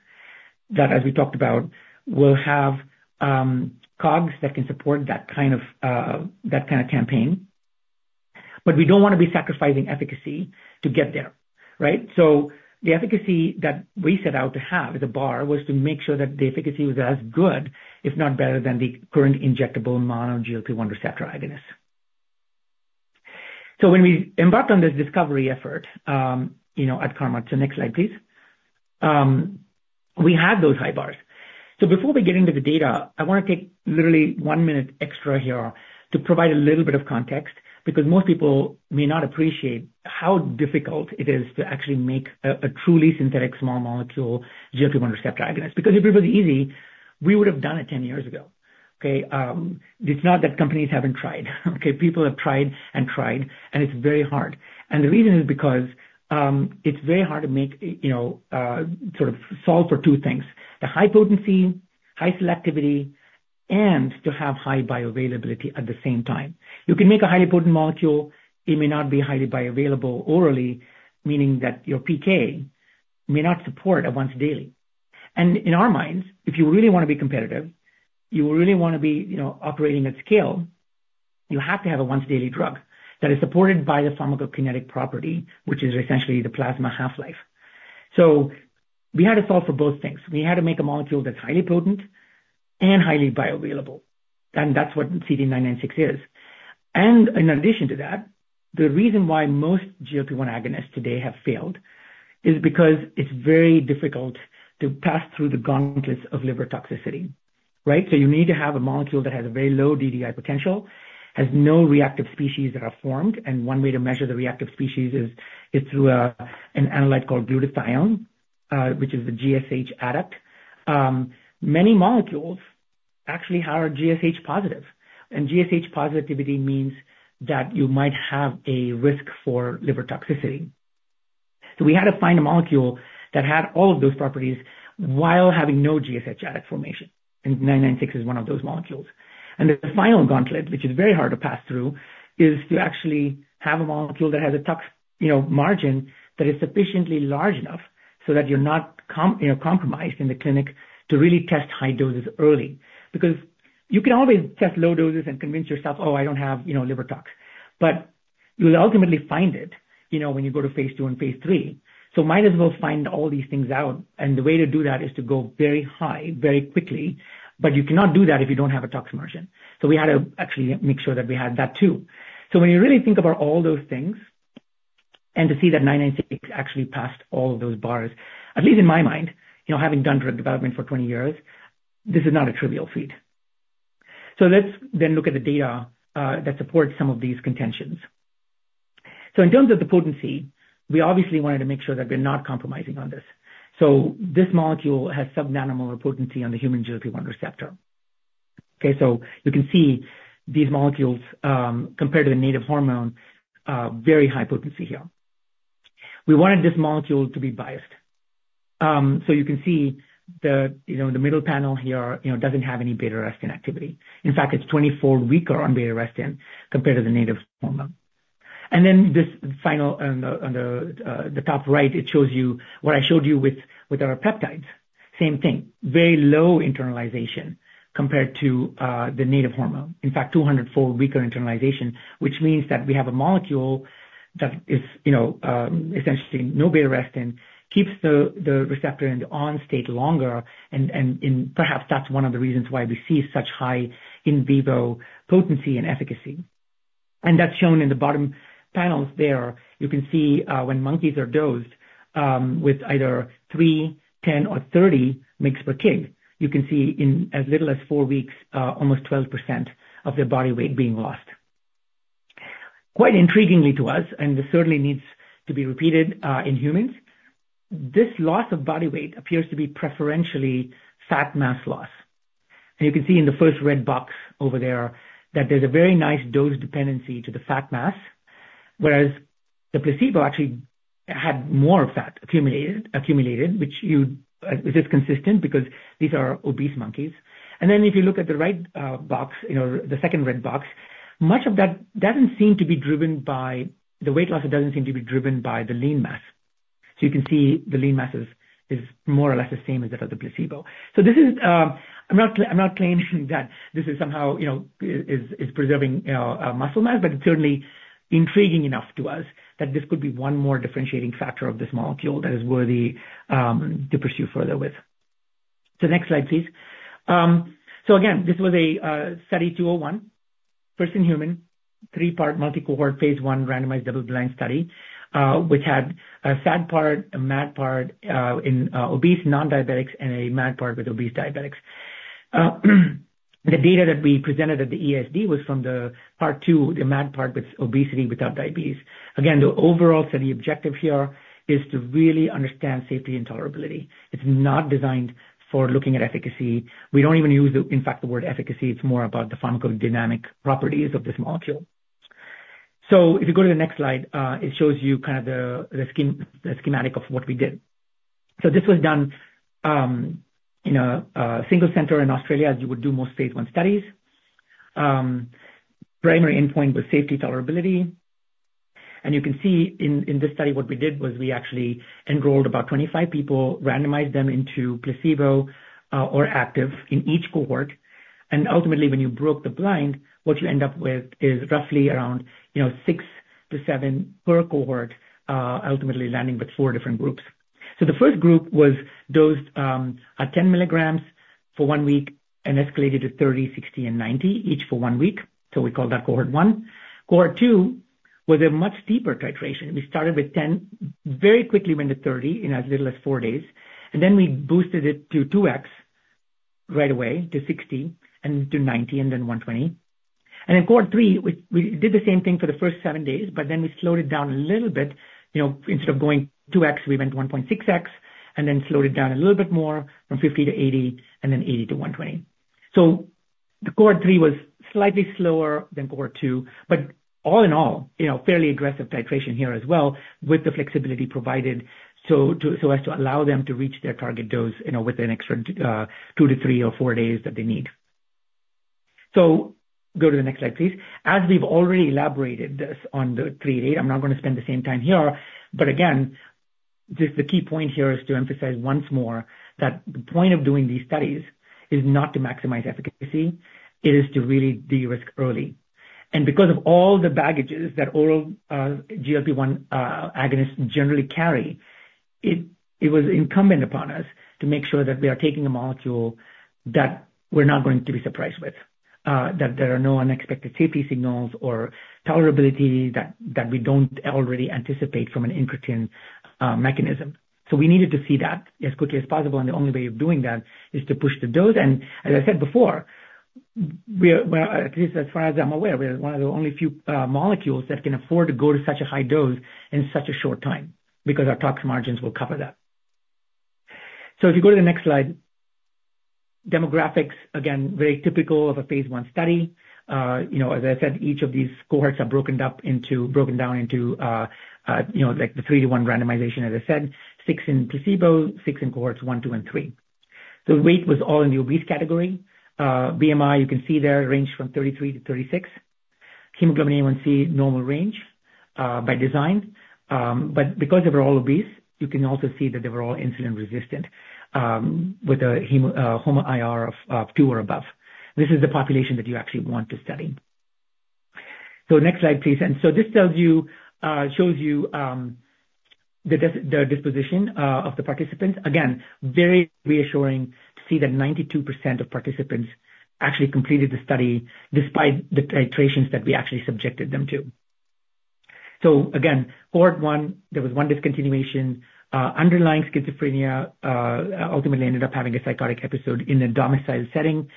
that, as we talked about, will have COGS that can support that kind of that kind of campaign. But we don't wanna be sacrificing efficacy to get there, right? So the efficacy that we set out to have, the bar, was to make sure that the efficacy was as good, if not better, than the current injectable mono-GLP-1 receptor agonist. So when we embarked on this discovery effort, you know, at Carmot. So next slide, please. We had those high bars. So before we get into the data, I wanna take literally one minute extra here to provide a little bit of context, because most people may not appreciate how difficult it is to actually make a truly synthetic small molecule GLP-1 receptor agonist. Because if it was easy, we would have done it ten years ago, okay? It's not that companies haven't tried, okay? People have tried and tried, and it's very hard. The reason is because it's very hard to make, you know, sort of solve for two things: high potency, high selectivity, and to have high bioavailability at the same time. You can make a highly potent molecule, it may not be highly bioavailable orally, meaning that your PK may not support a once daily. And in our minds, if you really want to be competitive, you really want to be, you know, operating at scale, you have to have a once daily drug that is supported by the pharmacokinetic property, which is essentially the plasma half-life. So we had to solve for both things. We had to make a molecule that's highly potent and highly bioavailable, and that's what CT-996 is. And in addition to that, the reason why most GLP-1 agonists today have failed is because it's very difficult to pass through the gauntlets of liver toxicity, right? So you need to have a molecule that has a very low DDI potential, has no reactive species that are formed, and one way to measure the reactive species is through an analyte called glutathione, which is the GSH adduct. Many molecules actually are GSH positive, and GSH positivity means that you might have a risk for liver toxicity. So we had to find a molecule that had all of those properties while having no GSH adduct formation, and CT-996 is one of those molecules. And the final gauntlet, which is very hard to pass through, is to actually have a molecule that has a tox, you know, margin that is sufficiently large enough so that you're not, you know, compromised in the clinic to really test high doses early. Because you can always test low doses and convince yourself, oh, I don't have, you know, liver tox, but you'll ultimately find it, you know, when you go to phase two and phase three. So might as well find all these things out, and the way to do that is to go very high, very quickly, but you cannot do that if you don't have a tox margin. So we had to actually make sure that we had that too. So when you really think about all those things, and to see that Nine Nine Six actually passed all of those bars, at least in my mind, you know, having done drug development for 20 years, this is not a trivial feat. So let's then look at the data that supports some of these contentions. So in terms of the potency, we obviously wanted to make sure that we're not compromising on this. So this molecule has sub-nanomolar potency on the human GLP-1 receptor. Okay, so you can see these molecules compared to the native hormone, very high potency here. We wanted this molecule to be biased. So you can see the, you know, the middle panel here, you know, doesn't have any beta-arrestin activity. In fact, it's 24 weaker on beta-arrestin compared to the native hormone. Then this final on the top right, it shows you what I showed you with our peptides. Same thing, very low internalization compared to the native hormone. In fact, 204 weaker internalization, which means that we have a molecule that is, you know, essentially no beta-arrestin, keeps the receptor in the on state longer and perhaps that's one of the reasons why we see such high in vivo potency and efficacy. That's shown in the bottom panels there. You can see when monkeys are dosed with either 3, 10, or 30 mg per kg, you can see in as little as four weeks almost 12% of their body weight being lost. Quite intriguingly to us, and this certainly needs to be repeated in humans, this loss of body weight appears to be preferentially fat mass loss. And you can see in the first red box over there that there's a very nice dose dependency to the fat mass, whereas the placebo actually had more fat accumulated, which is consistent because these are obese monkeys. And then if you look at the right box, you know, the second red box, much of that doesn't seem to be driven by the weight loss, it doesn't seem to be driven by the lean mass. So you can see the lean mass is more or less the same as the other placebo. So this is, I'm not, I'm not claiming that this is somehow, you know, is preserving muscle mass, but it's certainly intriguing enough to us that this could be one more differentiating factor of this molecule that is worthy to pursue further with. Next slide, please. So again, this was a study 201, first-in-human, three-part, multi-cohort, phase 1, randomized, double-blind study, which had a SAD part, a MAD part, in obese non-diabetics and a MAD part with obese diabetics. The data that we presented at the EASD was from the part 2, the MAD part, with obesity without diabetes. Again, the overall study objective here is to really understand safety and tolerability. It's not designed for looking at efficacy. We don't even use the, in fact, the word efficacy. It's more about the pharmacodynamic properties of this molecule, so if you go to the next slide, it shows you kind of the scheme, the schematic of what we did, so this was done in a single center in Australia, as you would do most phase 1 studies. Primary endpoint was safety tolerability, and you can see in this study, what we did was we actually enrolled about 25 people, randomized them into placebo or active in each cohort, and ultimately, when you broke the blind, what you end up with is roughly around, you know, 6 to 7 per cohort, ultimately landing with 4 different groups, so the first group was dosed at 10 milligrams for one week and escalated to 30, 60, and 90, each for one week, so we call that cohort one. Cohort 2 was a much steeper titration. We started with 10, very quickly went to 30 in as little as four days, and then we boosted it to 2X right away, to 60 and to 90, and then 120. In cohort 3, we did the same thing for the first seven days, but then we slowed it down a little bit. You know, instead of going 2X, we went 1.6X, and then slowed it down a little bit more from 50 to 80 and then 80 to 120. The Cohort 3 was slightly slower than Cohort 2, but all in all, you know, fairly aggressive titration here as well, with the flexibility provided, so as to allow them to reach their target dose, you know, with an extra two to three or four days that they need. So go to the next slide, please. As we've already elaborated this on the third date, I'm not gonna spend the same time here, but again, the key point here is to emphasize once more that the point of doing these studies is not to maximize efficacy, it is to really de-risk early. And because of all the baggages that oral GLP-1 agonists generally carry, it was incumbent upon us to make sure that we are taking a molecule that we're not going to be surprised with, that there are no unexpected safety signals or tolerability that we don't already anticipate from an incretin mechanism. So we needed to see that as quickly as possible, and the only way of doing that is to push the dose. As I said before, we are, well, at least as far as I'm aware, we are one of the only few molecules that can afford to go to such a high dose in such a short time, because our toxic margins will cover that. If you go to the next slide. Demographics, again, very typical of a phase I study. You know, as I said, each of these cohorts are broken down into, you know, like, the three-to-one randomization, as I said. Six in placebo, six in cohorts I, II, and III. The weight was all in the obese category. BMI, you can see there, ranged from thirty-three to thirty-six. Hemoglobin A1C, normal range, by design. But because they were all obese, you can also see that they were all insulin resistant, with a HOMA-IR of two or above. This is the population that you actually want to study. So next slide, please. And so this tells you, shows you, the disposition of the participants. Again, very reassuring to see that 92% of participants actually completed the study despite the titrations that we actually subjected them to. So again, Cohort I, there was one discontinuation, underlying schizophrenia, ultimately ended up having a psychotic episode in a domiciled setting.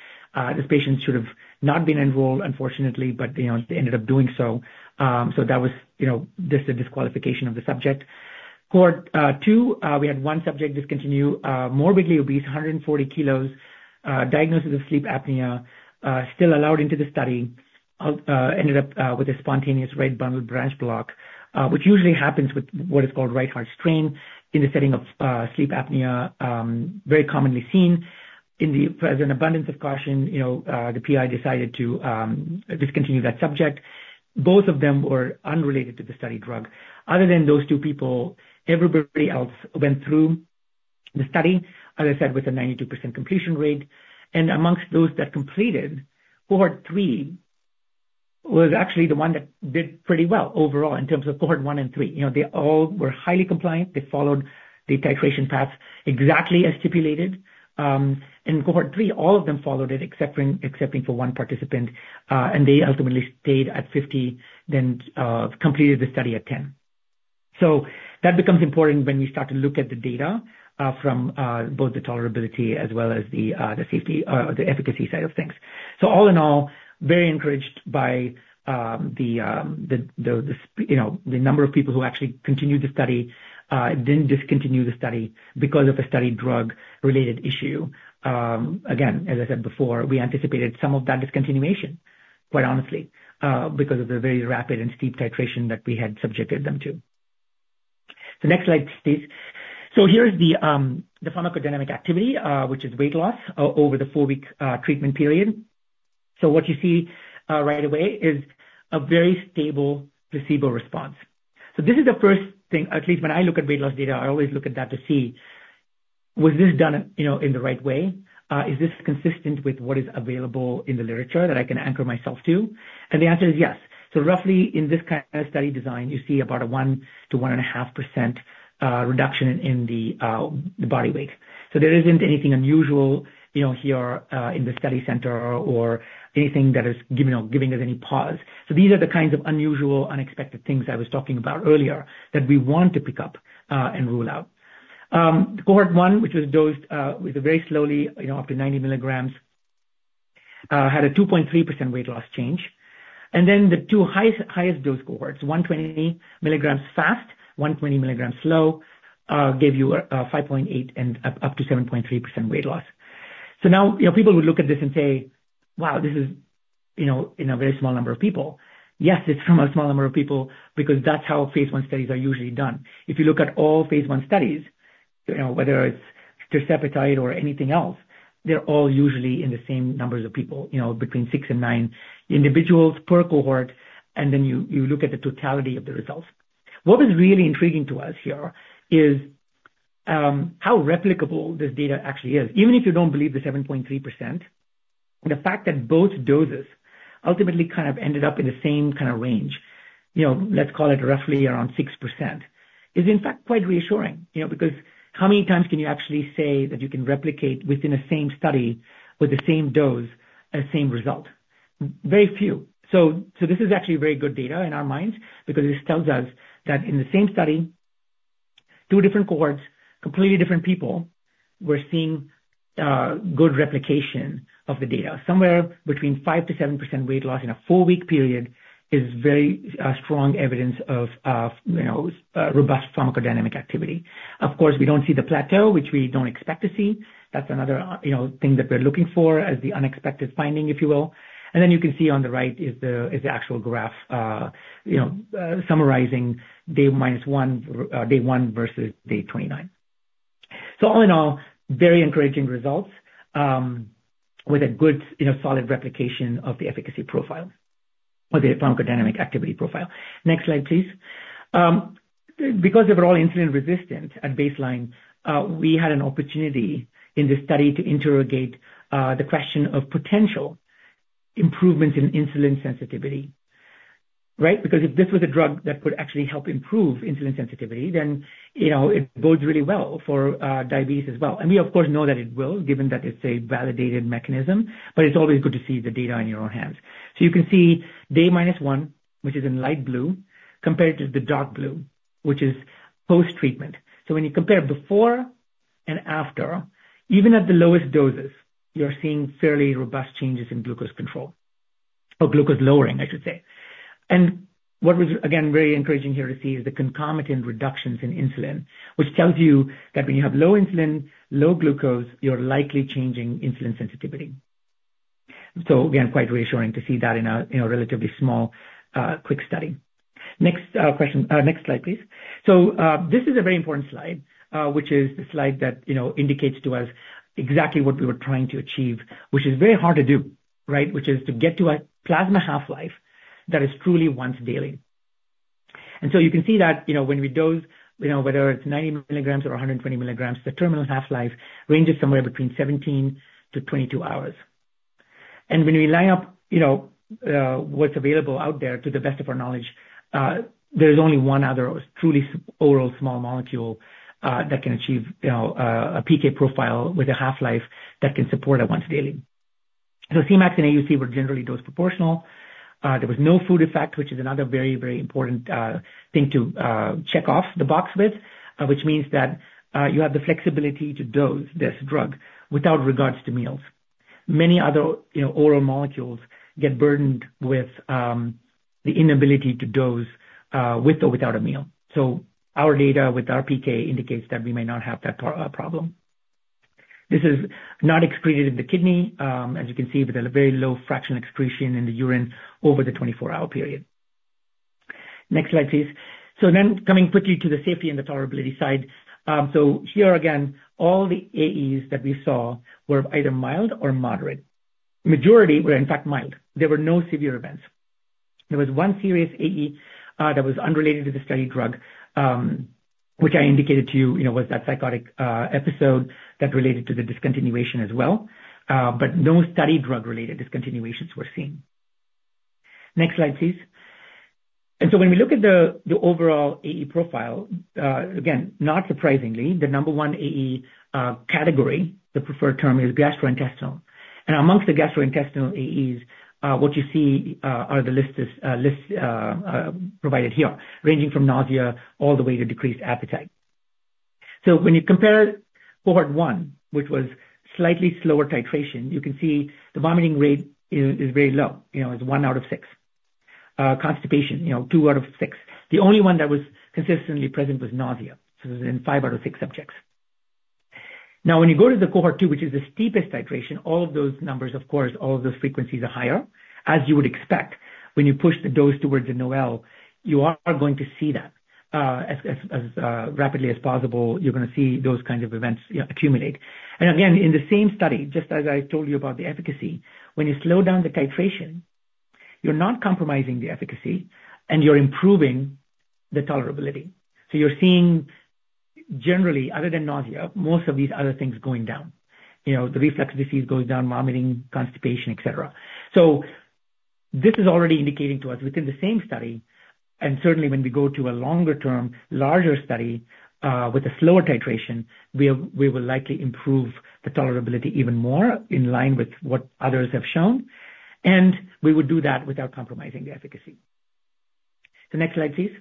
This patient should have not been enrolled, unfortunately, but, you know, they ended up doing so. So that was, you know, just a disqualification of the subject. Cohort II, we had one subject discontinue, morbidly obese, 140 kilos, diagnosis of sleep apnea, still allowed into the study. Ended up with a spontaneous right bundle branch block, which usually happens with what is called right heart strain in the setting of sleep apnea, very commonly seen. As an abundance of caution, you know, the PI decided to discontinue that subject. Both of them were unrelated to the study drug. Other than those two people, everybody else went through the study, as I said, with a 92% completion rate, and amongst those that completed, Cohort III was actually the one that did pretty well overall, in terms of Cohort I and III. You know, they all were highly compliant. They followed the titration paths exactly as stipulated. In Cohort III, all of them followed it, except for one participant, and they ultimately stayed at 50, then completed the study at 10. So that becomes important when we start to look at the data from both the tolerability as well as the safety, the efficacy side of things. So all in all, very encouraged by, you know, the number of people who actually continued the study, didn't discontinue the study because of a study drug-related issue. Again, as I said before, we anticipated some of that discontinuation, quite honestly, because of the very rapid and steep titration that we had subjected them to. The next slide, please. So here's the pharmacodynamic activity, which is weight loss over the four-week treatment period. What you see right away is a very stable placebo response. This is the first thing, at least when I look at weight loss data, I always look at that to see, was this done, you know, in the right way? Is this consistent with what is available in the literature that I can anchor myself to? And the answer is yes. Roughly in this kind of study design, you see about a 1-1.5% reduction in the body weight. There isn't anything unusual, you know, here in the study center or anything that is giving us any pause. These are the kinds of unusual, unexpected things I was talking about earlier that we want to pick up and rule out. Cohort I, which was dosed with a very slowly, you know, up to 90 milligrams, had a 2.3% weight loss change, and then the two highest dose cohorts, 120 milligrams fast, 120 milligrams slow, gave you a 5.8% and up to 7.3% weight loss. Now, you know, people would look at this and say, "Wow, this is, you know, in a very small number of people." Yes, it's from a small number of people, because that's how phase I studies are usually done. If you look at all phase I studies, you know, whether it's tirzepatide or anything else, they're all usually in the same numbers of people, you know, between 6 and 9 individuals per cohort, and then you look at the totality of the results. What is really intriguing to us here is, how replicable this data actually is. Even if you don't believe the 7.3%, the fact that both doses ultimately kind of ended up in the same kind of range, you know, let's call it roughly around 6%, is in fact quite reassuring. You know, because how many times can you actually say that you can replicate within the same study with the same dose, a same result? Very few. So, so this is actually very good data in our minds because this tells us that in the same study. Two different cohorts, completely different people. We're seeing, good replication of the data. Somewhere between 5%-7% weight loss in a four-week period is very, strong evidence of, you know, robust pharmacodynamic activity. Of course, we don't see the plateau, which we don't expect to see. That's another, you know, thing that we're looking for as the unexpected finding, if you will. And then you can see on the right is the actual graph, you know, summarizing day minus one, day one versus day twenty-nine. So all in all, very encouraging results, with a good, you know, solid replication of the efficacy profile or the pharmacodynamic activity profile. Next slide, please. Because they were all insulin resistant at baseline, we had an opportunity in this study to interrogate the question of potential improvements in insulin sensitivity, right? Because if this was a drug that could actually help improve insulin sensitivity, then, you know, it bodes really well for diabetes as well. We of course know that it will, given that it's a validated mechanism, but it's always good to see the data in your own hands. You can see day minus one, which is in light blue, compared to the dark blue, which is post-treatment. When you compare before and after, even at the lowest doses, you're seeing fairly robust changes in glucose control or glucose lowering, I should say. What was, again, very encouraging here to see is the concomitant reductions in insulin, which tells you that when you have low insulin, low glucose, you're likely changing insulin sensitivity. Again, quite reassuring to see that in a relatively small, quick study. Next slide, please. This is a very important slide, which is the slide that, you know, indicates to us exactly what we were trying to achieve, which is very hard to do, right? Which is to get to a plasma half-life that is truly once daily. You can see that, you know, when we dose, you know, whether it's 90 milligrams or 120 milligrams, the terminal half-life ranges somewhere between 17-22 hours. When we line up, you know, what's available out there, to the best of our knowledge, there's only one other truly oral small molecule that can achieve, you know, a PK profile with a half-life that can support a once daily. Cmax and AUC were generally dose proportional. There was no food effect, which is another very, very important thing to check off the box with. Which means that you have the flexibility to dose this drug without regards to meals. Many other, you know, oral molecules get burdened with the inability to dose with or without a meal. So our data with our PK indicates that we may not have that problem. This is not excreted in the kidney, as you can see, with a very low fraction excretion in the urine over the twenty-four-hour period. Next slide, please. So then coming quickly to the safety and the tolerability side. So here, again, all the AEs that we saw were either mild or moderate. Majority were, in fact, mild. There were no severe events. There was one serious AE, that was unrelated to the study drug, which I indicated to you, you know, was that psychotic episode that related to the discontinuation as well. But no study drug-related discontinuations were seen. Next slide, please. And so when we look at the overall AE profile, again, not surprisingly, the number one AE category, the preferred term, is gastrointestinal. And among the gastrointestinal AEs, what you see are the list provided here, ranging from nausea all the way to decreased appetite. So when you compare cohort one, which was slightly slower titration, you can see the vomiting rate is very low, you know, it's one out of six. Constipation, you know, two out of six. The only one that was consistently present was nausea, so it was in five out of six subjects. Now, when you go to the cohort two, which is the steepest titration, all of those numbers, of course, all of those frequencies are higher, as you would expect. When you push the dose towards the NOAEL, you are going to see that, as rapidly as possible, you're gonna see those kind of events, yeah, accumulate. And again, in the same study, just as I told you about the efficacy, when you slow down the titration, you're not compromising the efficacy and you're improving the tolerability. So you're seeing generally, other than nausea, most of these other things going down. You know, the reflux disease goes down, vomiting, constipation, et cetera. So this is already indicating to us within the same study, and certainly when we go to a longer-term, larger study, with a slower titration, we will likely improve the tolerability even more in line with what others have shown, and we would do that without compromising the efficacy. The next slide, please.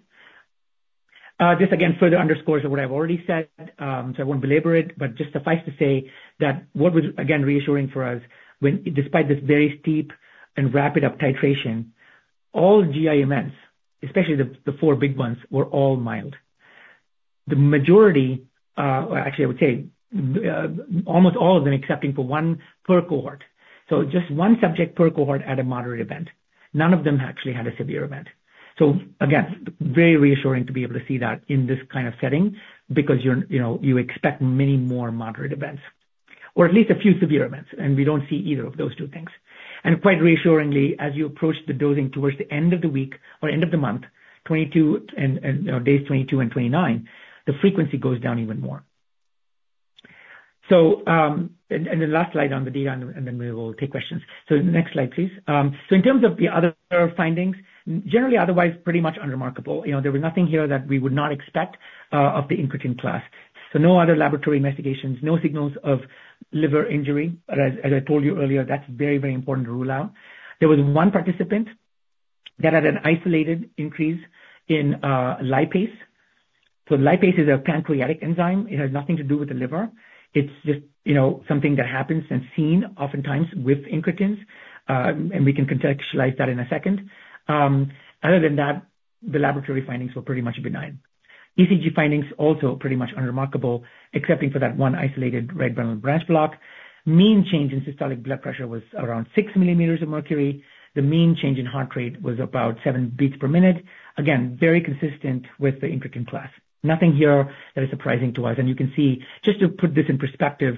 This again further underscores what I've already said, so I won't belabor it, but just suffice to say that what was again reassuring for us when despite this very steep and rapid uptitration, all GI events, especially the four big ones, were all mild. The majority, or actually I would say, almost all of them, excepting for one per cohort. So just one subject per cohort had a moderate event. None of them actually had a severe event. So again, very reassuring to be able to see that in this kind of setting because you're, you know, you expect many more moderate events, or at least a few severe events, and we don't see either of those two things. And quite reassuringly, as you approach the dosing towards the end of the week or end of the month, 22 and days 22 and 29, the frequency goes down even more. And the last slide on the data, and then we will take questions. So next slide, please. So in terms of the other findings, generally, otherwise pretty much unremarkable. You know, there was nothing here that we would not expect of the incretin class. So no other laboratory investigations, no signals of liver injury, as I told you earlier, that's very, very important to rule out. There was one participant that had an isolated increase in lipase. So lipase is a pancreatic enzyme. It has nothing to do with the liver. It's just, you know, something that happens and seen oftentimes with incretins, and we can contextualize that in a second. Other than that, the laboratory findings were pretty much benign. ECG findings also pretty much unremarkable, except for that one isolated right bundle branch block. Mean change in systolic blood pressure was around six millimeters of mercury. The mean change in heart rate was about seven beats per minute. Again, very consistent with the incretin class. Nothing here that is surprising to us, and you can see, just to put this in perspective,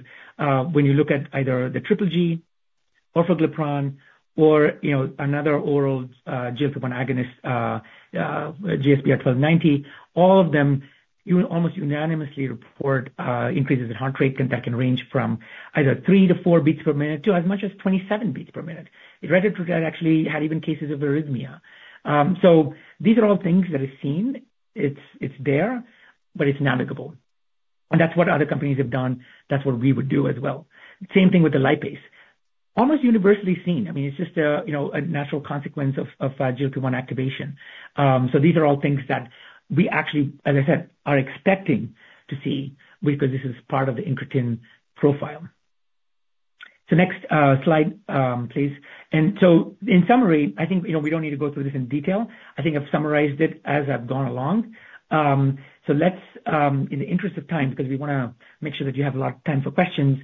when you look at either the triple G, orforglipron or, you know, another oral GLP-1 agonist, GSBR-1290, all of them, you almost unanimously report increases in heart rate, and that can range from either three to four beats per minute to as much as 27 beats per minute. It registered, actually, had even cases of arrhythmia. So these are all things that are seen. It's there, but it's navigable. That's what other companies have done. That's what we would do as well. Same thing with the lipase. Almost universally seen. I mean, it's just a, you know, a natural consequence of GLP-1 activation. So these are all things that we actually, as I said, are expecting to see because this is part of the incretin profile. So next, slide, please, and so in summary, I think, you know, we don't need to go through this in detail. I think I've summarized it as I've gone along. So let's, in the interest of time, because we wanna make sure that you have a lot of time for questions,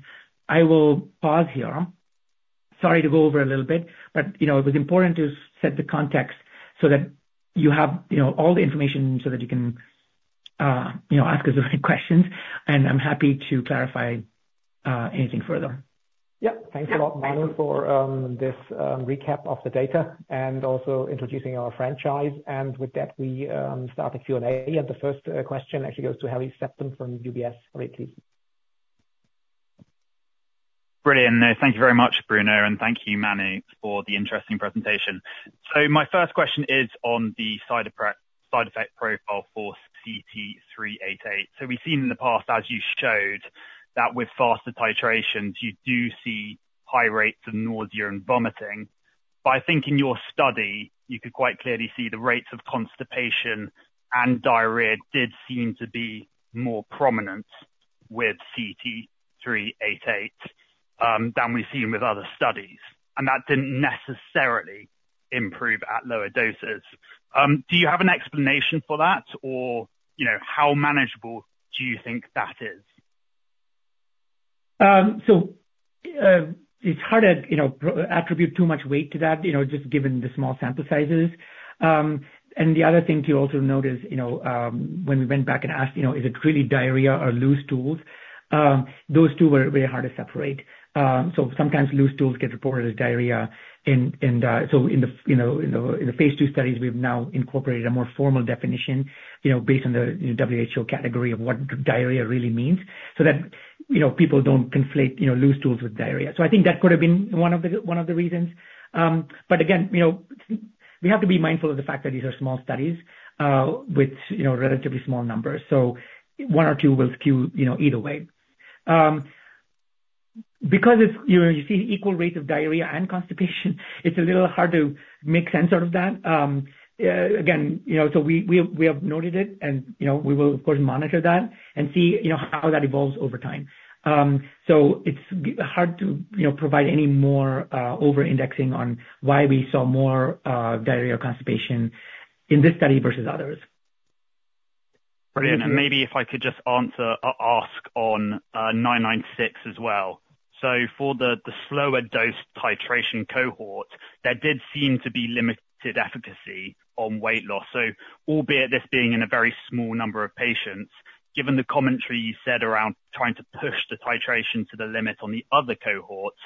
I will pause here. Sorry to go over a little bit, but, you know, it was important to set the context so that you have, you know, all the information so that you can, you know, ask us the right questions, and I'm happy to clarify, anything further. Yeah. Thanks a lot, Manu, for this recap of the data and also introducing our franchise. And with that, we start the Q&A, and the first question actually goes to Harry Sephton from UBS on AT. Brilliant. Thank you very much, Bruno, and thank you, Manu, for the interesting presentation. So my first question is on the side effect profile for CT-388. So we've seen in the past, as you showed, that with faster titrations, you do see high rates of nausea and vomiting. But I think in your study, you could quite clearly see the rates of constipation and diarrhea did seem to be more prominent with CT-388 than we've seen with other studies, and that didn't necessarily improve at lower doses. Do you have an explanation for that? Or, you know, how manageable do you think that is? So, it's hard to, you know, attribute too much weight to that, you know, just given the small sample sizes, and the other thing to also note is, you know, when we went back and asked, you know, is it really diarrhea or loose stools? Those two were very hard to separate. So sometimes loose stools get reported as diarrhea, and so in the phase two studies, we've now incorporated a more formal definition, you know, based on the WHO category of what diarrhea really means, so that, you know, people don't conflate, you know, loose stools with diarrhea. I think that could have been one of the reasons. But again, you know, we have to be mindful of the fact that these are small studies with, you know, relatively small numbers, so one or two will skew, you know, either way. Because it's... You know, you see equal rates of diarrhea and constipation. It's a little hard to make sense out of that. Again, you know, so we have noted it and, you know, we will, of course, monitor that and see, you know, how that evolves over time. So it's hard to, you know, provide any more over-indexing on why we saw more diarrhea or constipation in this study versus others. Brilliant. And maybe if I could just ask on nine nine six as well. So for the slower dose titration cohort, there did seem to be limited efficacy on weight loss. So albeit this being in a very small number of patients, given the commentary you said around trying to push the titration to the limit on the other cohorts,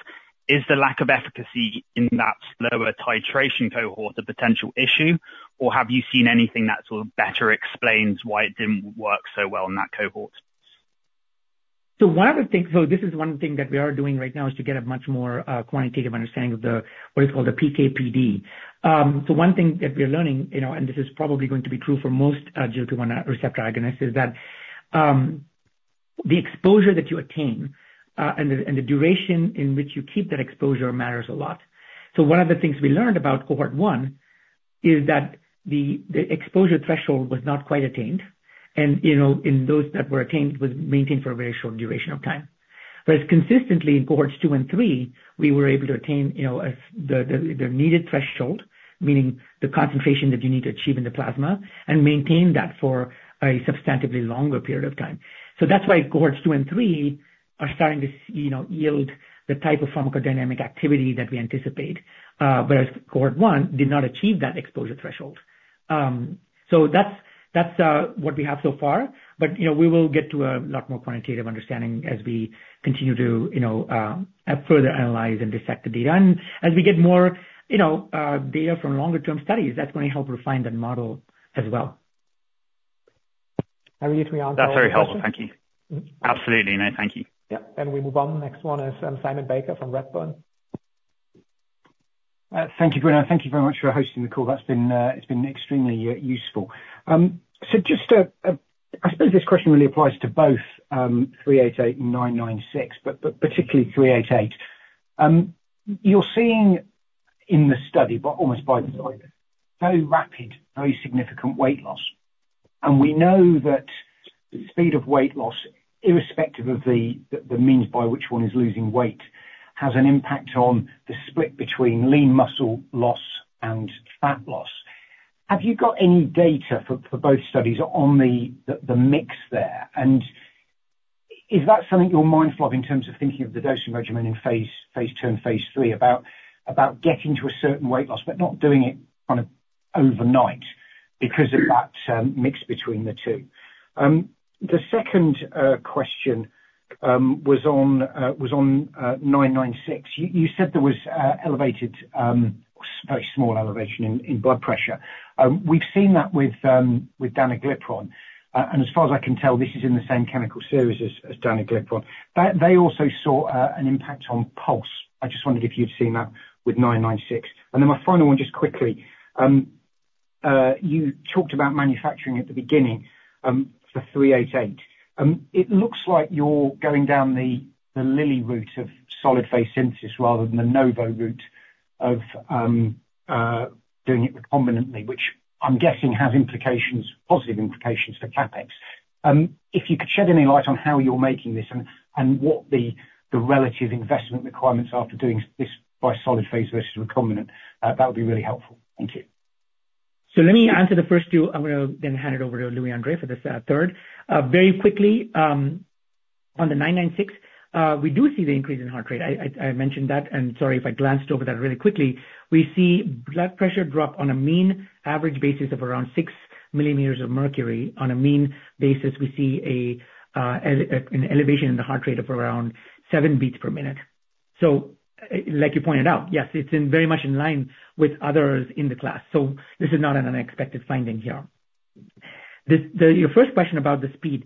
is the lack of efficacy in that lower titration cohort a potential issue, or have you seen anything that sort of better explains why it didn't work so well in that cohort? So one of the things, so this is one thing that we are doing right now, is to get a much more quantitative understanding of what is called the PK/PD. So one thing that we are learning, you know, and this is probably going to be true for most GLP-1 receptor agonists, is that the exposure that you attain and the duration in which you keep that exposure matters a lot. So one of the things we learned about cohort one is that the exposure threshold was not quite attained, and you know in those that were attained was maintained for a very short duration of time. Whereas consistently in cohorts two and three, we were able to attain, you know, the needed threshold, meaning the concentration that you need to achieve in the plasma, and maintain that for a substantively longer period of time, so that's why cohorts two and three are starting to you know, yield the type of pharmacodynamic activity that we anticipate, whereas cohort one did not achieve that exposure threshold. So that's what we have so far, but, you know, we will get to a lot more quantitative understanding as we continue to, you know, further analyze and dissect the data, and as we get more, you know, data from longer term studies, that's going to help refine that model as well. Harry, did we answer all the questions? That's very helpful. Thank you. Absolutely. No, thank you. Yeah. Then we move on. Next one is, Simon Baker from Redburn. Thank you, Bruno. Thank you very much for hosting the call. That's been, it's been extremely useful. So just I suppose this question really applies to both 388 and nine nine six, but particularly 388. You're seeing in the study, but almost by design, very rapid, very significant weight loss. And we know that speed of weight loss, irrespective of the means by which one is losing weight, has an impact on the split between lean muscle loss and fat loss. Have you got any data for both studies on the mix there? Is that something you're mindful of in terms of thinking of the dosing regimen in phase two and phase three, about getting to a certain weight loss, but not doing it kind of overnight, because of that mix between the two? The second question was on CT-996. You said there was elevated very small elevation in blood pressure. We've seen that with Danuglipron. And as far as I can tell, this is in the same chemical series as Danuglipron. But they also saw an impact on pulse. I just wondered if you'd seen that with CT-996. And then my final one, just quickly, you talked about manufacturing at the beginning for CT-388. It looks like you're going down the Eli Lilly route of solid phase synthesis rather than the Novo route of doing it recombinantly, which I'm guessing has implications, positive implications for CapEx. If you could shed any light on how you're making this and what the relative investment requirements are for doing this by solid phase versus recombinant, that would be really helpful. Thank you. So let me answer the first two. I'm gonna then hand it over to Louis-André for this third. Very quickly, on the nine nine six, we do see the increase in heart rate. I mentioned that, and sorry if I glanced over that really quickly. We see blood pressure drop on a mean average basis of around six millimeters of mercury. On a mean basis, we see an elevation in the heart rate of around seven beats per minute. So like you pointed out, yes, it's in very much in line with others in the class, so this is not an unexpected finding here. Your first question about the speed,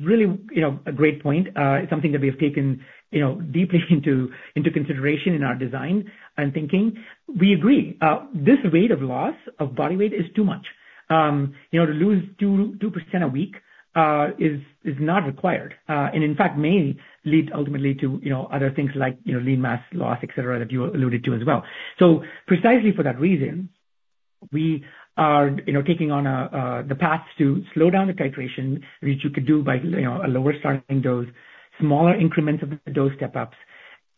really, you know, a great point. It's something that we have taken, you know, deeply into consideration in our design and thinking. We agree, this rate of loss of body weight is too much. You know, to lose 2% a week is not required, and in fact, may lead ultimately to, you know, other things like, you know, lean mass loss, et cetera, that you alluded to as well. So precisely for that reason, we are, you know, taking on the path to slow down the titration, which you could do by, you know, a lower starting dose, smaller increments of the dose step ups,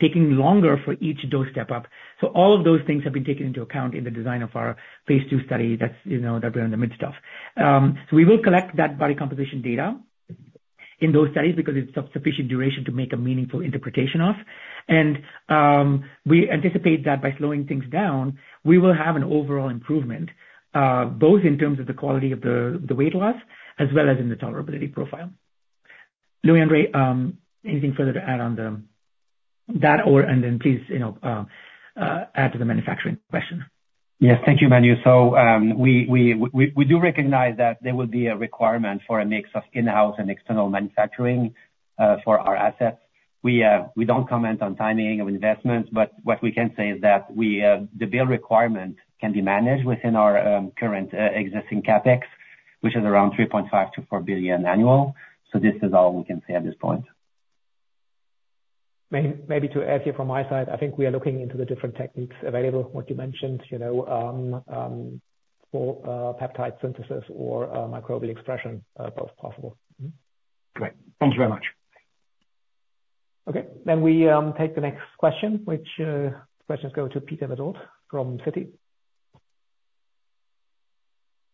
taking longer for each dose step up. So all of those things have been taken into account in the design of our phase 2 study that's, you know, that we're in the midst of. So we will collect that body composition data in those studies because it's of sufficient duration to make a meaningful interpretation of. We anticipate that by slowing things down, we will have an overall improvement both in terms of the quality of the weight loss as well as in the tolerability profile. Louis-André, anything further to add on that? Or, and then please, you know, add to the manufacturing question. Yes, thank you, Manu. So, we do recognize that there will be a requirement for a mix of in-house and external manufacturing for our assets. We don't comment on timing of investments, but what we can say is that the build requirement can be managed within our current existing CapEx, which is around 3.5-4 billion annual. So this is all we can say at this point. Maybe to add here from my side, I think we are looking into the different techniques available, what you mentioned, you know, for peptide synthesis or microbial expression, both possible. Mm-hmm. Great. Thank you very much. Okay. Then we take the next question, which the questions go to Peter Verdult from Citi.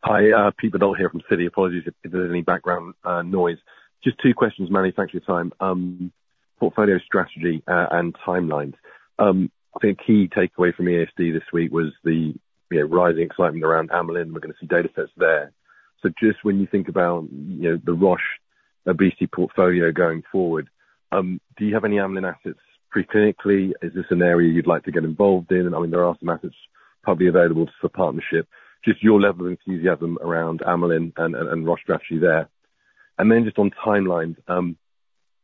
Hi, Peter Verdult here from Citi. Apologies if there's any background noise. Just two questions, Manu. Thank you for your time. Portfolio strategy and timelines. I think a key takeaway from EASD this week was the, you know, rising excitement around amylin. We're gonna see data sets there. So just when you think about, you know, the Roche obesity portfolio going forward, do you have any amylin assets preclinically? Is this an area you'd like to get involved in? I mean, there are some assets probably available for partnership, just your level of enthusiasm around amylin and Roche strategy there. And then just on timelines,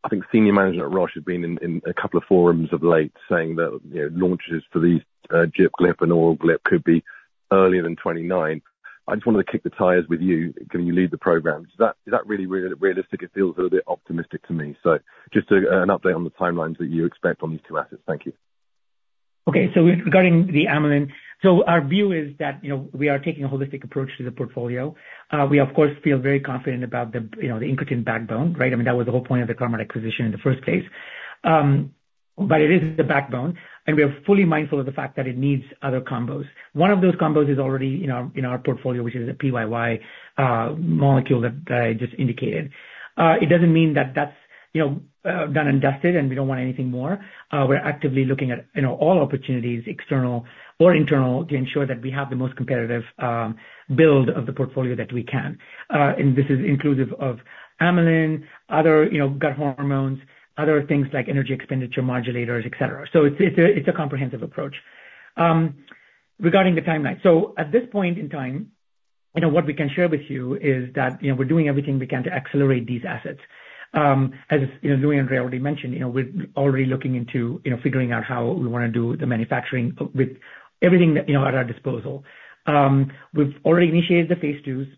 I think senior management at Roche has been in a couple of forums of late saying that, you know, launches for these, GIP, GLP-1 and oral GLP could be earlier than 2029. I just wanted to kick the tires with you, given you lead the program. Is that, is that really realistic? It feels a little bit optimistic to me. So just to an update on the timelines that you expect on these two assets. Thank you. Okay, so regarding the amylin, so our view is that, you know, we are taking a holistic approach to the portfolio. We of course feel very confident about the, you know, the incretin backbone, right? I mean, that was the whole point of the Carmot acquisition in the first place. But it is the backbone, and we are fully mindful of the fact that it needs other combos. One of those combos is already in our portfolio, which is a PYY molecule that I just indicated. It doesn't mean that that's, you know, done and dusted, and we don't want anything more. We're actively looking at, you know, all opportunities, external or internal, to ensure that we have the most competitive build of the portfolio that we can. And this is inclusive of amylin, other, you know, gut hormones, other things like energy expenditure modulators, et cetera. So it's, it's a, it's a comprehensive approach. Regarding the timeline, so at this point in time, you know, what we can share with you is that, you know, we're doing everything we can to accelerate these assets. As, you know, Louis-André already mentioned, you know, we're already looking into, you know, figuring out how we wanna do the manufacturing, with everything that, you know, at our disposal. We've already initiated the phase twos.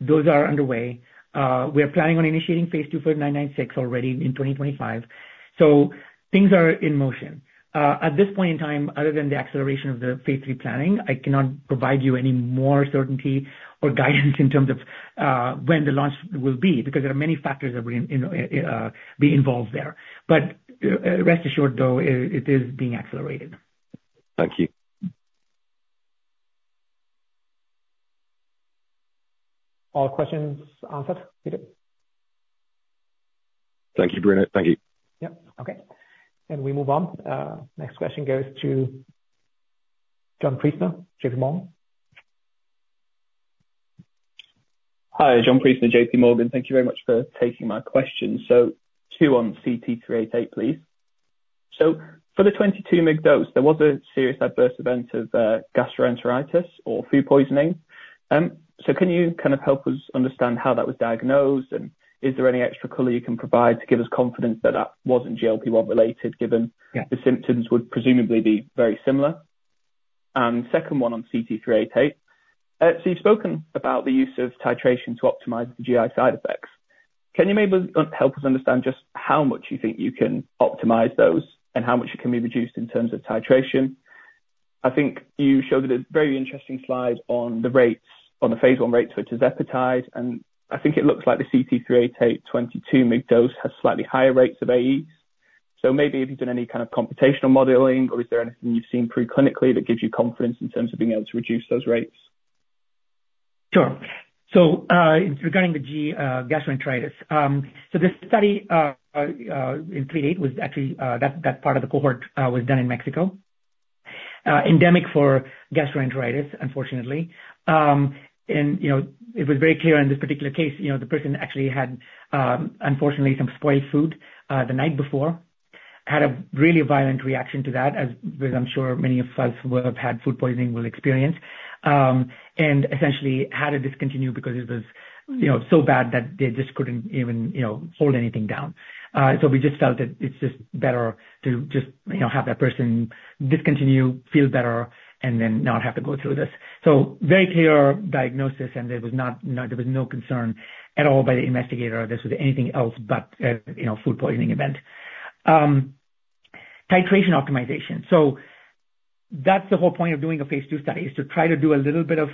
Those are underway. We are planning on initiating phase two for nine nine six already in 2025. So things are in motion. At this point in time, other than the acceleration of the phase III planning, I cannot provide you any more certainty or guidance in terms of when the launch will be, because there are many factors that will, you know, be involved there. But rest assured, though, it is being accelerated. Thank you. All questions answered, Peter? Thank you, Bruno. Thank you. Yep, okay. Then we move on. Next question goes to John Priestner, JPMorgan. Hi, John Priestner, J.P. Morgan. Thank you very much for taking my question. So two on CT-388, please. So for the 22 mg dose, there was a serious adverse event of gastroenteritis or food poisoning. So can you kind of help us understand how that was diagnosed, and is there any extra color you can provide to give us confidence that that wasn't GLP-1 related, given- Yeah. the symptoms would presumably be very similar? And second one on CT-388. So you've spoken about the use of titration to optimize the GI side effects. Can you maybe help us understand just how much you think you can optimize those, and how much it can be reduced in terms of titration? I think you showed a very interesting slide on the rates, on the phase 1 rates, which is appetite, and I think it looks like the CT-388 22 mg dose has slightly higher rates of AEs. So maybe have you done any kind of computational modeling, or is there anything you've seen pre-clinically that gives you confidence in terms of being able to reduce those rates? Sure. Regarding the gastroenteritis, the study in CT-388 was actually that part of the cohort was done in Mexico endemic for gastroenteritis, unfortunately. You know, it was very clear in this particular case, you know, the person actually had unfortunately some spoiled food the night before. Had a really violent reaction to that, as I'm sure many of us who have had food poisoning will experience, and essentially had to discontinue because it was you know so bad that they just couldn't even you know hold anything down. We just felt that it's just better to just you know have that person discontinue, feel better, and then not have to go through this. So very clear diagnosis, and there was no concern at all by the investigator this was anything else but, you know, food poisoning event. Titration optimization. So that's the whole point of doing a phase 2 study, is to try to do a little bit of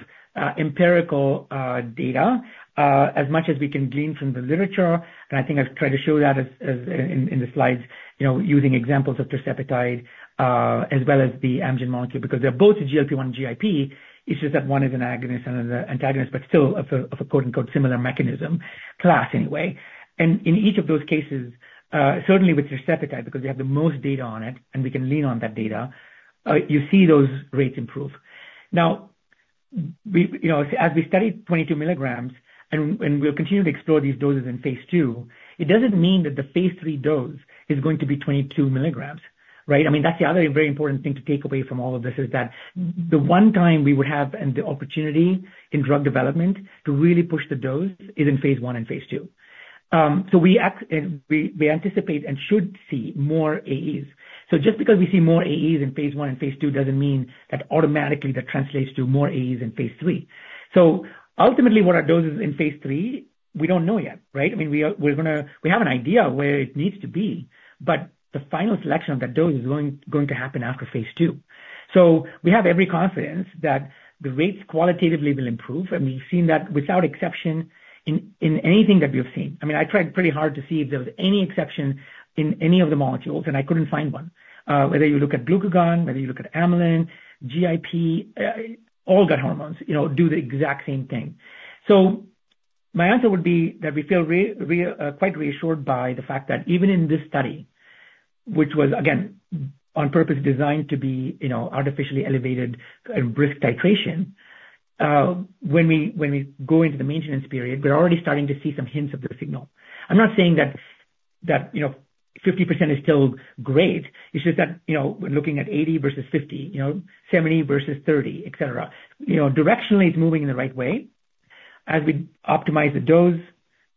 empirical data as much as we can glean from the literature. And I think I've tried to show that as in the slides, you know, using examples of tirzepatide as well as the Amgen molecule, because they're both GLP-1 GIP, it's just that one is an agonist and the other antagonist, but still of a quote unquote similar mechanism class anyway. And in each of those cases, certainly with tirzepatide, because we have the most data on it and we can lean on that data, you see those rates improve. Now, we, you know, as we studied 22 milligrams, and, and we'll continue to explore these doses in phase 2, it doesn't mean that the phase 3 dose is going to be 22 milligrams, right? I mean, that's the other very important thing to take away from all of this, is that the one time we would have and the opportunity in drug development to really push the dose is in phase 1 and phase 2. So we and we, we anticipate and should see more AEs. So just because we see more AEs in phase 1 and phase 2, doesn't mean that automatically that translates to more AEs in phase 3. Ultimately, what are doses in phase 3? We don't know yet, right? I mean, we're gonna. We have an idea of where it needs to be, but the final selection of that dose is going to happen after phase 2. So we have every confidence that the rates qualitatively will improve, and we've seen that, without exception, in anything that we've seen. I mean, I tried pretty hard to see if there was any exception in any of the molecules, and I couldn't find one. Whether you look at glucagon, whether you look at amylin, GIP, all the hormones, you know, do the exact same thing. My answer would be that we feel quite reassured by the fact that even in this study, which was again, on purpose, designed to be, you know, artificially elevated and risk titration, when we go into the maintenance period, we're already starting to see some hints of the signal. I'm not saying that, you know, 50% is still great. It's just that, you know, we're looking at 80 versus 50, you know, 70 versus 30, et cetera. You know, directionally, it's moving in the right way. As we optimize the dose,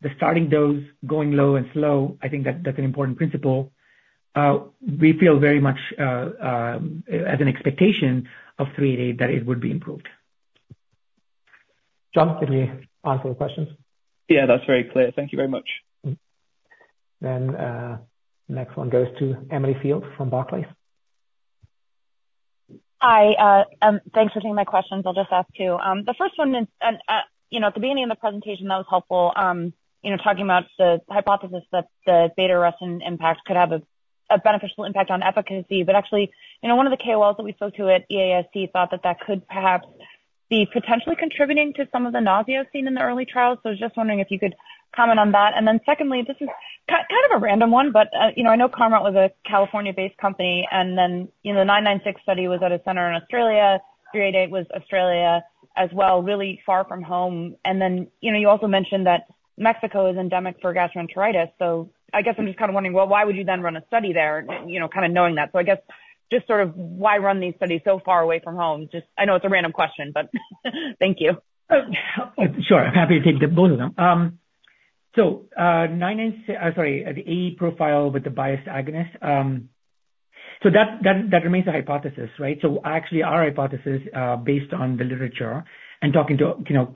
the starting dose, going low and slow, I think that's an important principle. We feel very much as an expectation of 38%, that it would be improved. John, did we answer the questions? Yeah, that's very clear. Thank you very much. Then, next one goes to Emily Field from Barclays. Hi, thanks for taking my questions. I'll just ask two. The first one is, and you know, at the beginning of the presentation, that was helpful, you know, talking about the hypothesis that the beta-arrestin impact could have a beneficial impact on efficacy. But actually, you know, one of the KOLs that we spoke to at EASD thought that that could perhaps be potentially contributing to some of the nausea seen in the early trials. So I was just wondering if you could comment on that. And then secondly, this is kind of a random one, but you know, I know Carmot was a California-based company, and then you know, the CT-996 study was at a center in Australia, CT-388 was Australia as well, really far from home. And then, you know, you also mentioned that Mexico is endemic for gastroenteritis. So I guess I'm just kind of wondering, well, why would you then run a study there, you know, kind of knowing that? So I guess just sort of why run these studies so far away from home? Just... I know it's a random question, but thank you. Sure. Happy to take the both of them. The AE profile with the biased agonist. So that remains a hypothesis, right? So actually, our hypothesis based on the literature and talking to, you know,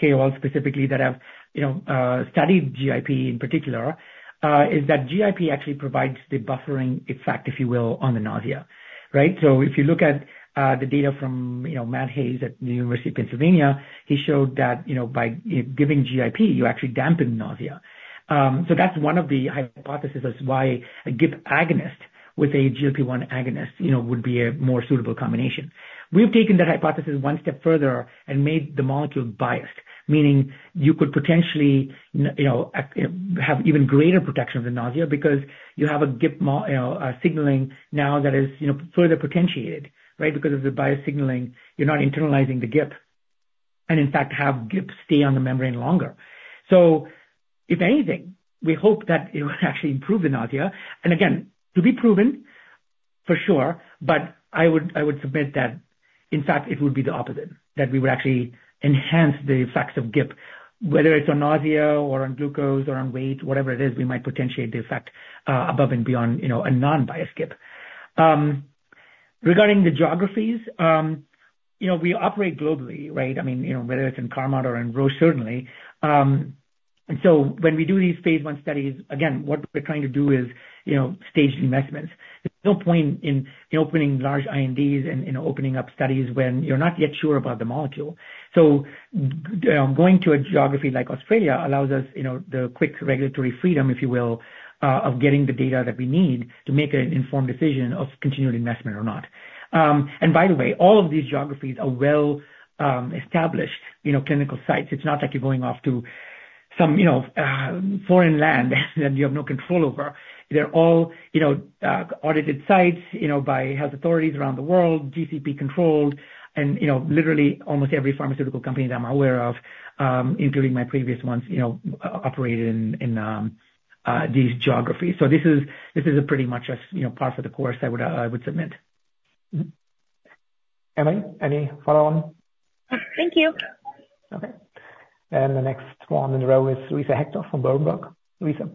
KOLs specifically that have, you know, studied GIP in particular is that GIP actually provides the buffering effect, if you will, on the nausea, right? So if you look at the data from, you know, Matt Hayes at the University of Pennsylvania, he showed that, you know, by giving GIP, you actually dampen nausea. So that's one of the hypotheses as why a GIP agonist with a GLP-1 agonist, you know, would be a more suitable combination. We've taken that hypothesis one step further and made the molecule biased, meaning you could potentially have even greater protection of the nausea because you have a GIP signaling now that is further potentiated, right? Because of the biased signaling, you're not internalizing the GIP, and in fact, have GIP stay on the membrane longer. So if anything, we hope that it will actually improve the nausea, and again, to be proven, for sure, but I would, I would submit that, in fact, it would be the opposite, that we would actually enhance the effects of GIP, whether it's on nausea or on glucose or on weight, whatever it is, we might potentiate the effect above and beyond, you know, a non-biased GIP. Regarding the geographies, you know, we operate globally, right? I mean, you know, whether it's in Carmot or in Roche, certainly, and so when we do these phase 1 studies, again, what we're trying to do is, you know, stage the investments. There's no point in opening large INDs and, you know, opening up studies when you're not yet sure about the molecule. So going to a geography like Australia allows us, you know, the quick regulatory freedom, if you will, of getting the data that we need to make an informed decision of continuing investment or not, and by the way, all of these geographies are well established, you know, clinical sites. It's not like you're going off to some, you know, foreign land that you have no control over. They're all, you know, audited sites, you know, by health authorities around the world, GCP controlled, and, you know, literally almost every pharmaceutical company that I'm aware of, including my previous ones, you know, operate in these geographies. So this is pretty much a, you know, par for the course, I would submit. Emily, any follow on? Thank you. Okay. And the next one in the row is Louisa Hector from Berenberg. Louisa?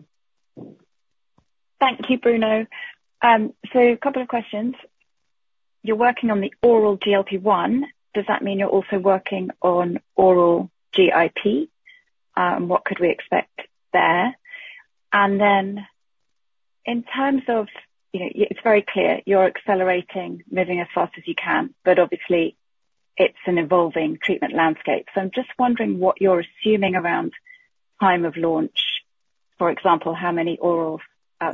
Thank you, Bruno. So a couple of questions. You're working on the oral GLP-1. Does that mean you're also working on oral GIP? And what could we expect there? And then in terms of... You know, it's very clear, you're accelerating, moving as fast as you can, but obviously, it's an evolving treatment landscape. So I'm just wondering what you're assuming around time of launch. For example, how many orals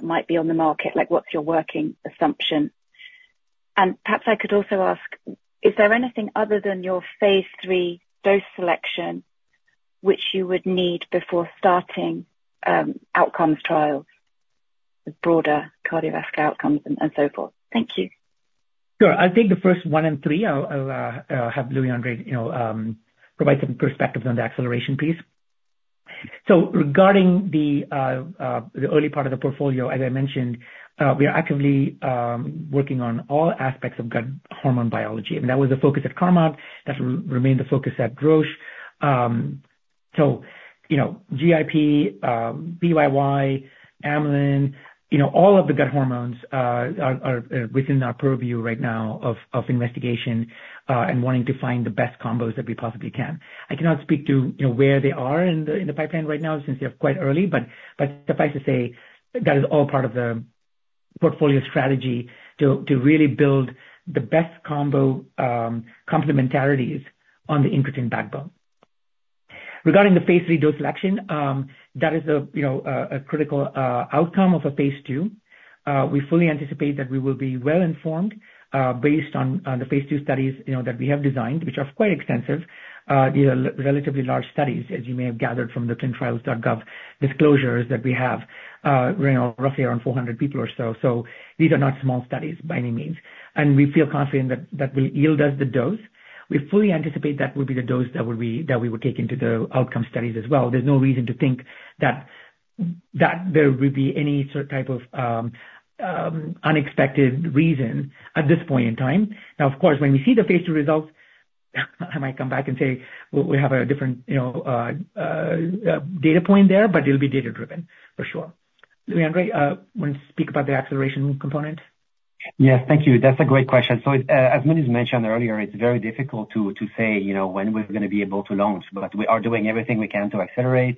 might be on the market? Like, what's your working assumption? And perhaps I could also ask, is there anything other than your phase 3 dose selection, which you would need before starting, outcomes trials, broader cardiovascular outcomes and, and so forth? Thank you. Sure. I'll take the first one and three. I'll have Louis-André, you know, provide some perspectives on the acceleration piece, so regarding the early part of the portfolio, as I mentioned, we are actively working on all aspects of gut hormone biology, and that was the focus at Carmot. That remains the focus at Roche, so, you know, GIP, PYY, Amylin, you know, all of the gut hormones are within our purview right now of investigation and wanting to find the best combos that we possibly can. I cannot speak to, you know, where they are in the pipeline right now since they're quite early, but suffice to say, that is all part of the portfolio strategy to really build the best combo, complementarities on the incretin backbone. Regarding the phase 3 dose selection, that is a, you know, a critical outcome of a phase 2. We fully anticipate that we will be well informed, based on the phase 2 studies, you know, that we have designed, which are quite extensive. These are relatively large studies, as you may have gathered from the ClinicalTrials.gov disclosures that we have, you know, roughly around four hundred people or so. So these are not small studies by any means, and we feel confident that that will yield us the dose. We fully anticipate that will be the dose that will be that we will take into the outcome studies as well. There's no reason to think that that there will be any certain type of unexpected reason at this point in time. Now, of course, when we see the phase 2 results, I might come back and say we have a different, you know, data point there, but it'll be data driven for sure. Louis-André, want to speak about the acceleration component? Yes, thank you. That's a great question. So, as Manu has mentioned earlier, it's very difficult to say, you know, when we're gonna be able to launch, but we are doing everything we can to accelerate.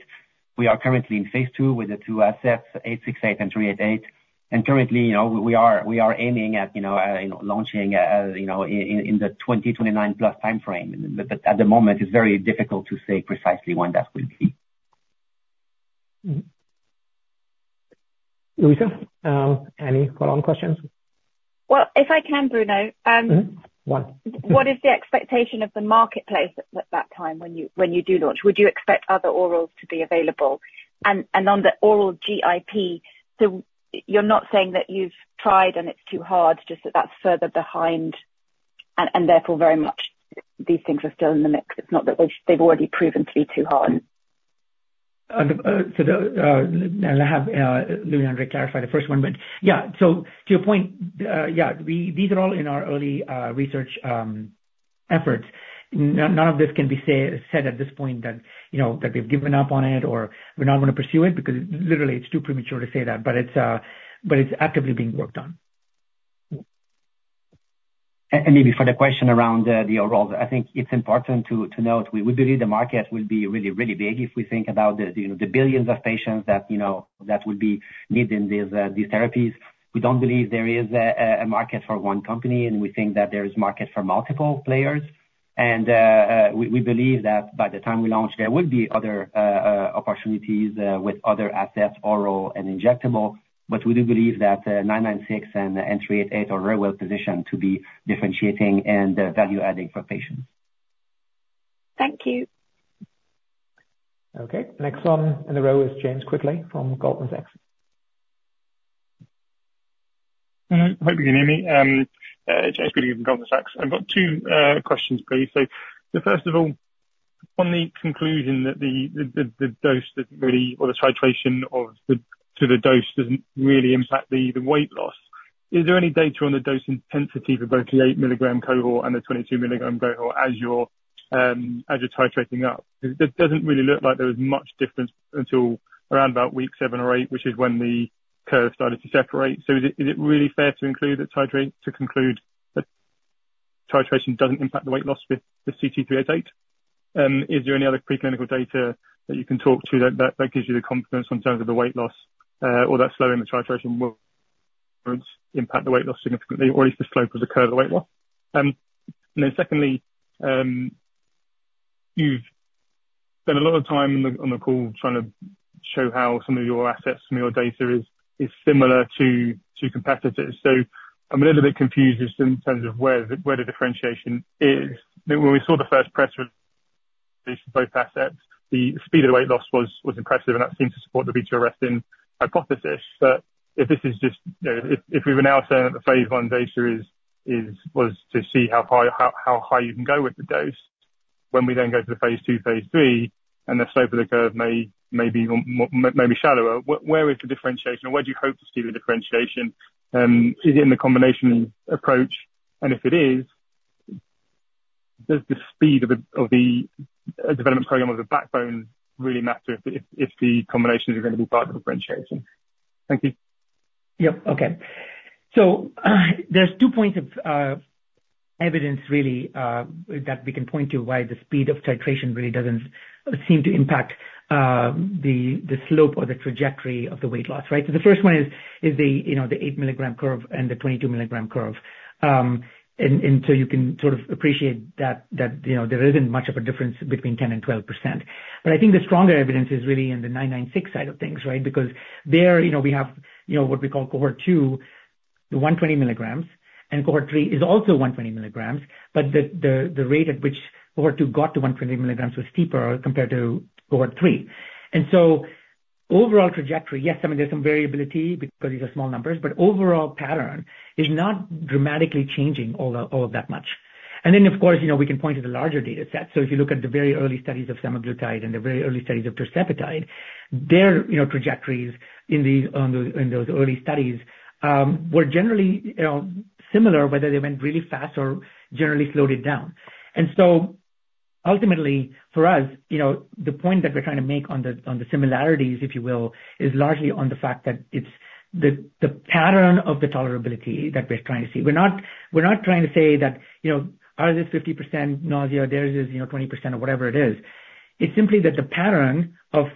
We are currently in phase 2 with the two assets, CT-868 and CT-388. And currently, you know, we are aiming at, you know, launching, you know, in the twenty twenty-nine plus timeframe. But at the moment, it's very difficult to say precisely when that will be. Louisa, any follow-on questions? Well, if I can, Bruno? Mm-hmm. One. What is the expectation of the marketplace at that time when you do launch? Would you expect other orals to be available? And on the oral GIP, so you're not saying that you've tried and it's too hard, just that that's further behind, and therefore very much these things are still in the mix. It's not that they've already proven to be too hard. I'll have Louis-André clarify the first one, but yeah, to your point, yeah, these are all in our early research efforts. None of this can be said at this point, you know, that we've given up on it or we're not gonna pursue it, because literally it's too premature to say that, but it's actively being worked on. Maybe for the question around the overall, I think it's important to note, we believe the market will be really, really big if we think about the, you know, the billions of patients that, you know, that would be needing these therapies. We don't believe there is a market for one company, and we think that there is a market for multiple players. We believe that by the time we launch, there will be other opportunities with other assets, oral and injectable. But we do believe that CT-996 and CT-388 are very well positioned to be differentiating and value adding for patients. Thank you. Okay, next one in the row is James Quigley from Goldman Sachs. Hope you can hear me. James Quigley from Goldman Sachs. I've got two questions for you. So first of all, on the conclusion that the dose doesn't really, or the titration to the dose doesn't really impact the weight loss, is there any data on the dose intensity for both the eight milligram cohort and the 22 milligram cohort as you're titrating up? It doesn't really look like there was much difference until around about week seven or eight, which is when the curve started to separate. So is it really fair to conclude that titration doesn't impact the weight loss with CT388? Is there any other preclinical data that you can talk to that gives you the confidence in terms of the weight loss, or that slowing the titration will impact the weight loss significantly, or at least the slope of the curve of the weight loss? And then secondly, you've spent a lot of time on the call trying to show how some of your assets and your data is similar to competitors. So I'm a little bit confused just in terms of where the differentiation is. When we saw the first press release for both assets, the speed of the weight loss was impressive, and that seemed to support the beta-arrestin hypothesis. But if this is just, you know, if we're now saying that the phase one data was to see how high you can go with the dose, when we then go to the phase two, phase three, and the slope of the curve may be shallower, where is the differentiation, or where do you hope to see the differentiation? Is it in the combination approach? And if it is, does the speed of the development program or the backbone really matter if the combinations are going to be part of the differentiation? Thank you. Yep. Okay. So, there's two points of evidence really that we can point to why the speed of titration really doesn't seem to impact the slope or the trajectory of the weight loss, right? So the first one is the, you know, the 8 milligram curve and the 22 milligram curve. And so you can sort of appreciate that, you know, there isn't much of a difference between 10% and 12%. But I think the stronger evidence is really in the CT-996 side of things, right? Because there, you know, we have what we call cohort two, the 120 milligrams, and cohort three is also 120 milligrams, but the rate at which cohort two got to 120 milligrams was steeper compared to cohort three. And so overall trajectory, yes, I mean, there's some variability because these are small numbers, but overall pattern is not dramatically changing all that, all that much. And then, of course, you know, we can point to the larger data set. So if you look at the very early studies of semaglutide and the very early studies of tirzepatide, their, you know, trajectories in the, in those early studies, were generally, you know, similar, whether they went really fast or generally slowed it down. And so ultimately, for us, you know, the point that we're trying to make on the, on the similarities, if you will, is largely on the fact that it's the, the pattern of the tolerability that we're trying to see. We're not, we're not trying to say that, you know, ours is 50% nausea, theirs is, you know, 20% or whatever it is. It's simply that the pattern of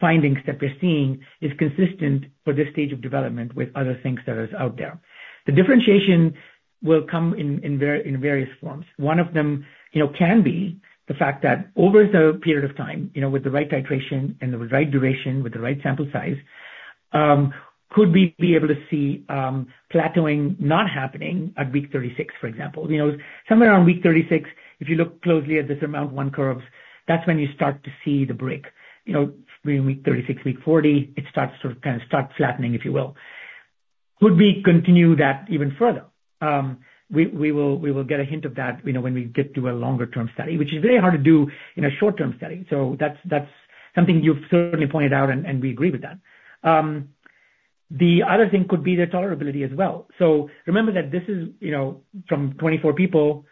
findings that we're seeing is consistent for this stage of development with other things that is out there. The differentiation will come in various forms. One of them, you know, can be the fact that over the period of time, you know, with the right titration and the right duration, with the right sample size, could we be able to see plateauing not happening at week 36, for example? You know, somewhere around week 36, if you look closely at the AMG 133 curves, that's when you start to see the break. You know, between week 36, week 40, it starts to sort of kind of start flattening, if you will. Could we continue that even further? We will get a hint of that, you know, when we get to a longer term study, which is very hard to do in a short-term study. So that's something you've certainly pointed out, and we agree with that. The other thing could be the tolerability as well. So remember that this is, you know, from 24 people.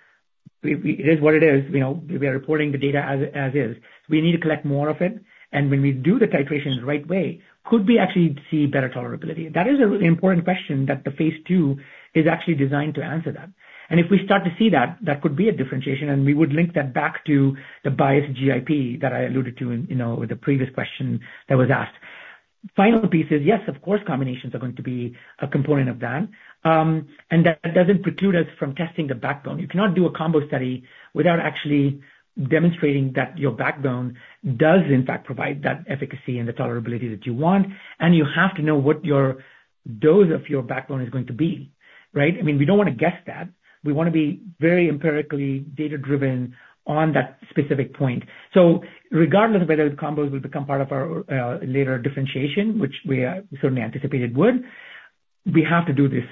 It is what it is. You know, we are reporting the data as is. We need to collect more of it, and when we do the titration the right way, could we actually see better tolerability? That is a really important question that the phase two is actually designed to answer that. And if we start to see that, that could be a differentiation, and we would link that back to the biased GIP that I alluded to in, you know, the previous question that was asked. Final piece is, yes, of course, combinations are going to be a component of that, and that doesn't preclude us from testing the backbone. You cannot do a combo study without actually demonstrating that your backbone does in fact provide that efficacy and the tolerability that you want, and you have to know what your dose of your backbone is going to be, right? I mean, we don't want to guess that. We want to be very empirically data-driven on that specific point. So regardless of whether the combos will become part of our, later differentiation, which we are, certainly anticipate it would, we have to do this,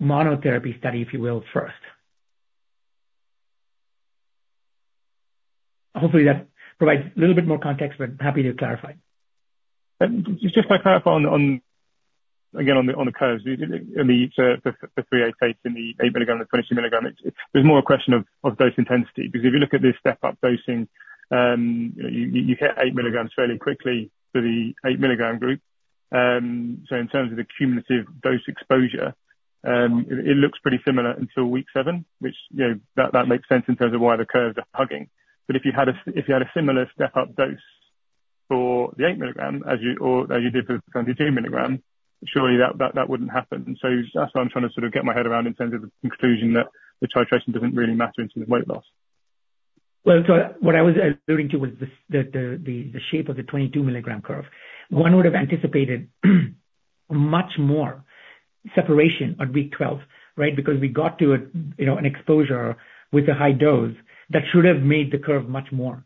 monotherapy study, if you will, first. Hopefully, that provides a little bit more context, but happy to clarify. And just to clarify on the curves, I mean, the CT-388 in the eight milligram and the 22 milligram, it. There's more a question of dose intensity. Because if you look at this step-up dosing, you hit eight milligrams fairly quickly for the eight milligram group. So in terms of the cumulative dose exposure, it looks pretty similar until week seven, which you know that makes sense in terms of why the curves are hugging. But if you had a similar step-up dose for the eight milligram as you did for the 22 milligram, surely that wouldn't happen. So that's what I'm trying to sort of get my head around in terms of the conclusion that the titration doesn't really matter in terms of weight loss. So what I was alluding to was the shape of the 22-milligram curve. One would have anticipated much more separation on week 12, right? Because we got to a, you know, an exposure with a high dose that should have made the curve much more.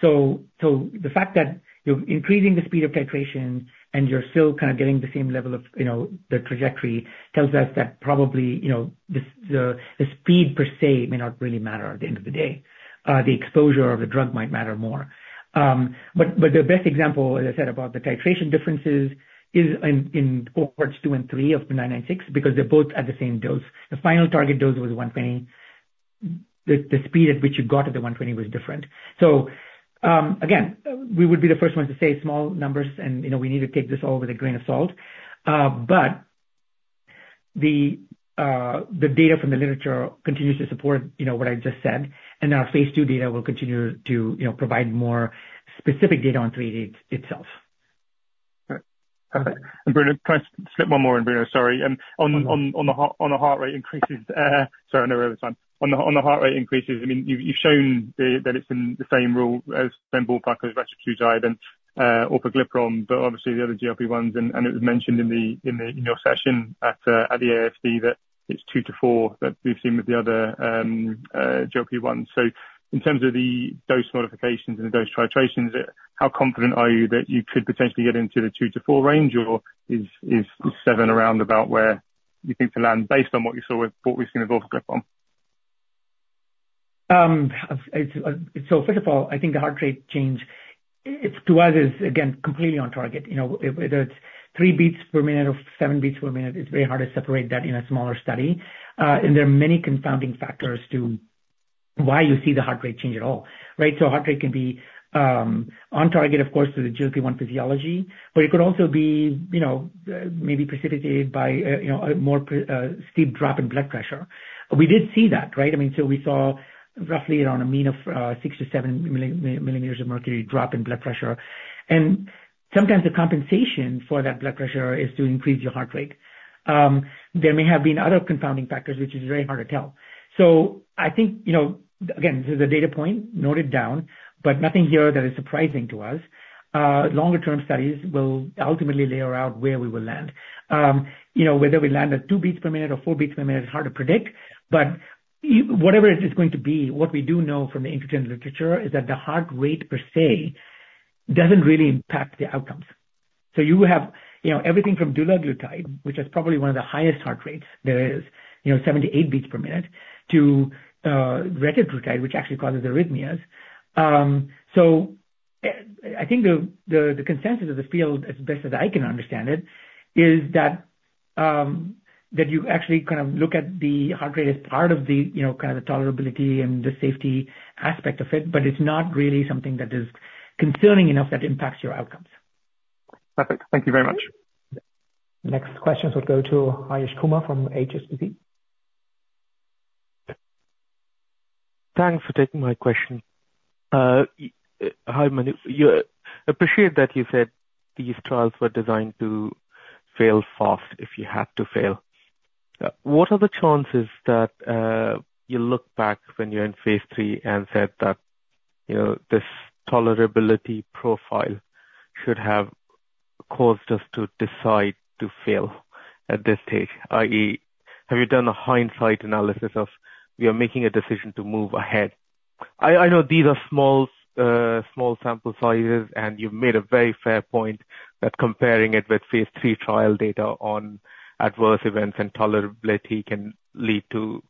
So the fact that you're increasing the speed of titration and you're still kind of getting the same level of, you know, the trajectory, tells us that probably, you know, the speed per se, may not really matter at the end of the day. The exposure of the drug might matter more. But the best example, as I said, about the titration differences is in cohorts two and three of the 996, because they're both at the same dose. The final target dose was 120. The speed at which you got to the 120 was different. So, again, we would be the first ones to say small numbers, and, you know, we need to take this all with a grain of salt. But the data from the literature continues to support, you know, what I just said, and our phase 2 data will continue to, you know, provide more specific data on CT-388 itself. Perfect. And Bruno, can I slip one more in, Bruno? Sorry. On the heart rate increases, sorry, I know we're out of time. I mean, you've shown that it's in the same range as semaglutide, retatrutide, and empagliflozin, but obviously the other GLP-1, and it was mentioned in your session at the EASD that it's two to four that we've seen with the other GLP-1. So in terms of the dose modifications and the dose titrations, how confident are you that you could potentially get into the two to four range, or is seven around about where you think to land based on what you saw with what we've seen with empagliflozin? So first of all, I think the heart rate change, it to us, is again completely on target. You know, whether it's three beats per minute or seven beats per minute, it's very hard to separate that in a smaller study. And there are many confounding factors to why you see the heart rate change at all, right? So heart rate can be on target, of course, to the GLP-1 physiology, but it could also be, you know, maybe precipitated by a, you know, a more steep drop in blood pressure. We did see that, right? I mean, so we saw roughly around a mean of six to seven millimeters of mercury drop in blood pressure. And sometimes the compensation for that blood pressure is to increase your heart rate. There may have been other confounding factors, which is very hard to tell, so I think, you know, again, this is a data point, note it down, but nothing here that is surprising to us. Longer term studies will ultimately lay out where we will land. You know, whether we land at two beats per minute or four beats per minute is hard to predict, but whatever it is going to be, what we do know from the literature is that the heart rate per se doesn't really impact the outcomes, so you have, you know, everything from dulaglutide, which is probably one of the highest heart rates there is, you know, seven to eight beats per minute, to retatrutide, which actually causes arrhythmias. I think the consensus of the field, as best as I can understand it, is that you actually kind of look at the heart rate as part of the, you know, kind of the tolerability and the safety aspect of it, but it's not really something that is concerning enough that impacts your outcomes. Perfect. Thank you very much. Next question will go to Rajesh Kumar from HSBC. Thanks for taking my question. Hi, Manu. You appreciate that you said these trials were designed to fail fast, if you had to fail. What are the chances that you look back when you're in phase three and said that, you know, this tolerability profile should have caused us to decide to fail at this stage? I.e., have you done a hindsight analysis of you're making a decision to move ahead? I know these are small sample sizes, and you've made a very fair point that comparing it with phase three trial data on adverse events and tolerability can lead to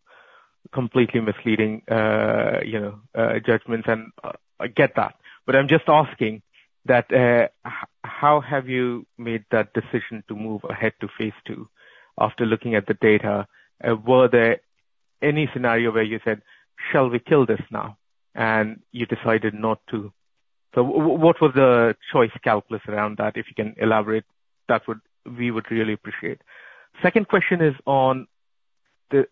completely misleading, you know, judgments, and I get that. But I'm just asking that, how have you made that decision to move ahead to phase two after looking at the data? Were there any scenario where you said, "Shall we kill this now?" And you decided not to. So what, what was the choice calculus around that? If you can elaborate, that would... We would really appreciate. Second question is on the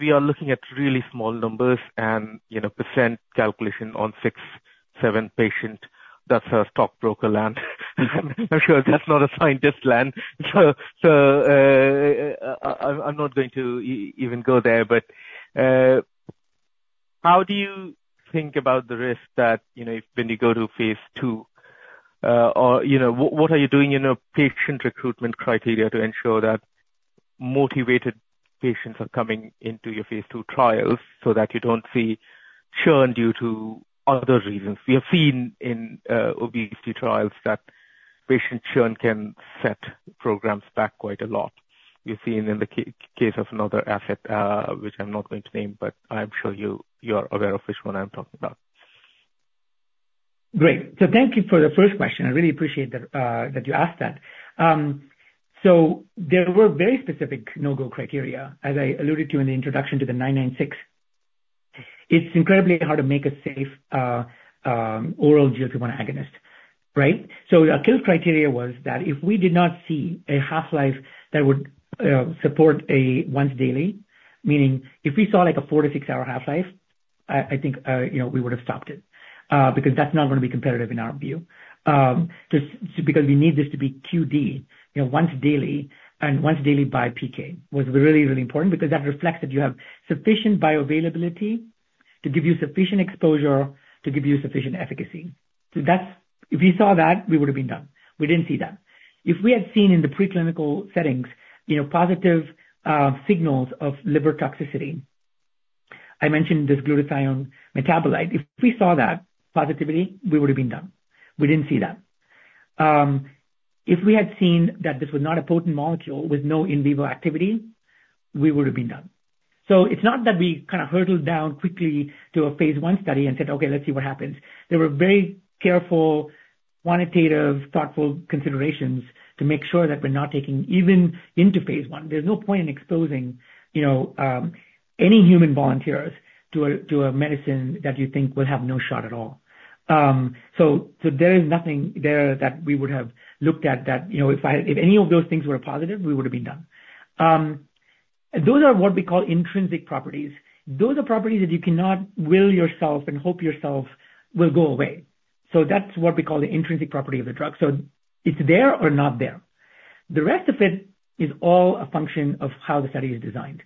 we are looking at really small numbers and, you know, % calculation on six, seven patient. That's a stockbroker land. I'm sure that's not a scientist land. So, I, I'm not going to even go there, but, how do you think about the risk that, you know, if, when you go to phase two, or, you know, what, what are you doing in a patient recruitment criteria to ensure that motivated patients are coming into your phase two trials so that you don't see churn due to other reasons? We have seen in obesity trials that patient churn can set programs back quite a lot. You've seen in the case of another asset, which I'm not going to name, but I'm sure you are aware of which one I'm talking about. Great. So thank you for the first question. I really appreciate that, that you asked that. So there were very specific no-go criteria, as I alluded to in the introduction to the CT-996. It's incredibly hard to make a safe, oral GLP-1 agonist, right? So our kill criteria was that if we did not see a half-life that would support a once daily, meaning if we saw, like, a four- to six-hour half-life, I think, you know, we would have stopped it, because that's not gonna be competitive in our view. Just because we need this to be QD, you know, once daily and once daily by PK, was really, really important because that reflects that you have sufficient bioavailability to give you sufficient exposure, to give you sufficient efficacy. So that's... If we saw that, we would have been done. We didn't see that. If we had seen in the preclinical settings, you know, positive signals of liver toxicity, I mentioned this glutathione metabolite. If we saw that positivity, we would have been done. We didn't see that. If we had seen that this was not a potent molecule with no in vivo activity, we would have been done. So it's not that we kind of hurtled down quickly to a phase 1 study and said, "Okay, let's see what happens." There were very careful, quantitative, thoughtful considerations to make sure that we're not taking even into phase 1. There's no point in exposing, you know, any human volunteers to a medicine that you think will have no shot at all. So there is nothing there that we would have looked at that, you know, if any of those things were positive, we would have been done. Those are what we call intrinsic properties. Those are properties that you cannot will yourself and hope yourself will go away. So that's what we call the intrinsic property of the drug. So it's there or not there. The rest of it is all a function of how the study is designed.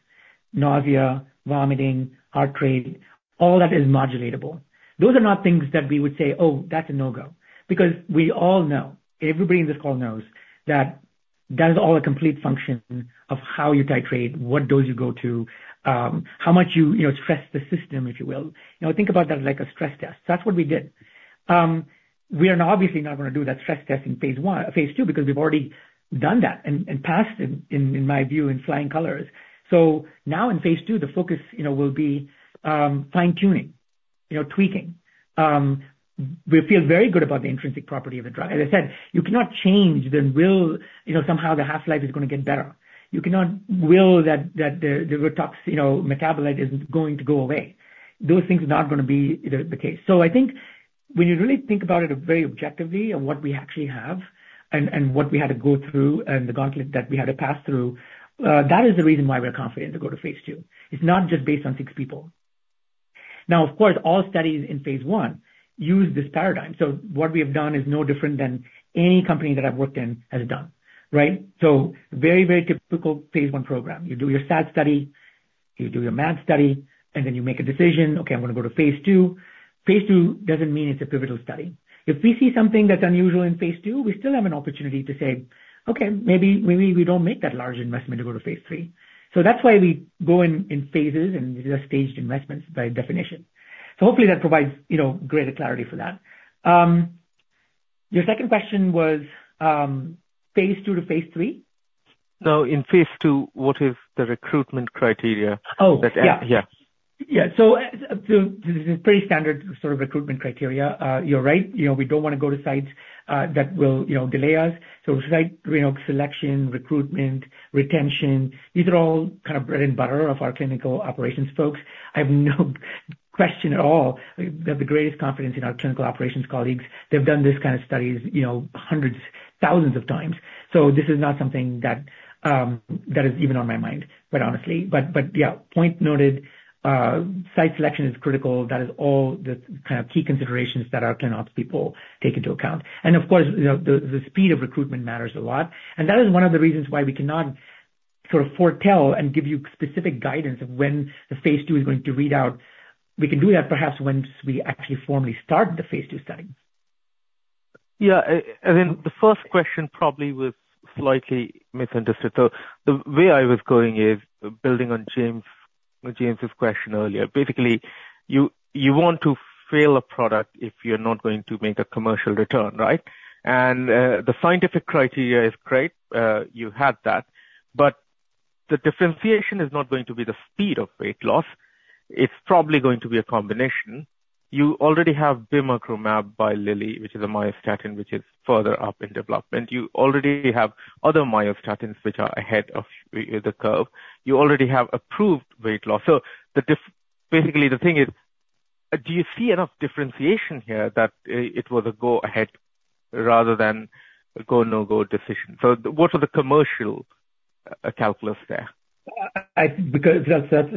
Nausea, vomiting, heart rate, all that is modulatable. Those are not things that we would say, "Oh, that's a no-go." Because we all know, everybody in this call knows, that that is all a complete function of how you titrate, what dose you go to, how much you stress the system, if you will. You know, think about that like a stress test. That's what we did. We are obviously not gonna do that stress test in phase one... phase two, because we've already done that and, in my view, in flying colors. So now in phase two, the focus, you know, will be fine-tuning, you know, tweaking. We feel very good about the intrinsic property of the drug. As I said, you cannot change the will, you know, somehow the half-life is gonna get better. You cannot will that, the tox, you know, metabolite is going to go away. Those things are not gonna be the case. So I think when you really think about it very objectively and what we actually have and what we had to go through and the gauntlet that we had to pass through, that is the reason why we're confident to go to phase two. It's not just based on six people. Now, of course, all studies in phase one use this paradigm. So what we have done is no different than any company that I've worked in has done, right? So very, very typical phase one program. You do your SAD study, you do your MAD study, and then you make a decision, okay, I'm gonna go to phase two. Phase two doesn't mean it's a pivotal study. If we see something that's unusual in phase two, we still have an opportunity to say, "Okay, maybe, maybe we don't make that large investment to go to phase three." So that's why we go in, in phases, and these are staged investments by definition. So hopefully that provides, you know, greater clarity for that. Your second question was phase two to phase three? No, in phase two, what is the recruitment criteria? Oh, yeah. Yeah. Yeah. So, so this is pretty standard sort of recruitment criteria. You're right, you know, we don't wanna go to sites, that will, you know, delay us. So site, you know, selection, recruitment, retention, these are all kind of bread and butter of our clinical operations folks. I have no question at all. We have the greatest confidence in our clinical operations colleagues. They've done this kind of studies, you know, hundreds, thousands of times. So this is not something that, that is even on my mind, but honestly... But, but yeah, point noted. Site selection is critical. That is all the kind of key considerations that our clinical people take into account. Of course, you know, the speed of recruitment matters a lot, and that is one of the reasons why we cannot sort of foretell and give you specific guidance of when the phase two is going to read out. We can do that perhaps once we actually formally start the phase two study. Yeah, and then the first question probably was slightly misunderstood. So the way I was going is building on James's question earlier. Basically, you want to fail a product if you're not going to make a commercial return, right? And, the scientific criteria is great, you have that, but the differentiation is not going to be the speed of weight loss. It's probably going to be a combination. You already have bimagrumab by Lilly, which is a myostatin, which is further up in development. You already have other myostatins which are ahead of the curve. You already have approved weight loss. Basically, the thing is, do you see enough differentiation here that it was a go-ahead rather than a go, no-go decision? So what are the commercial calculus there?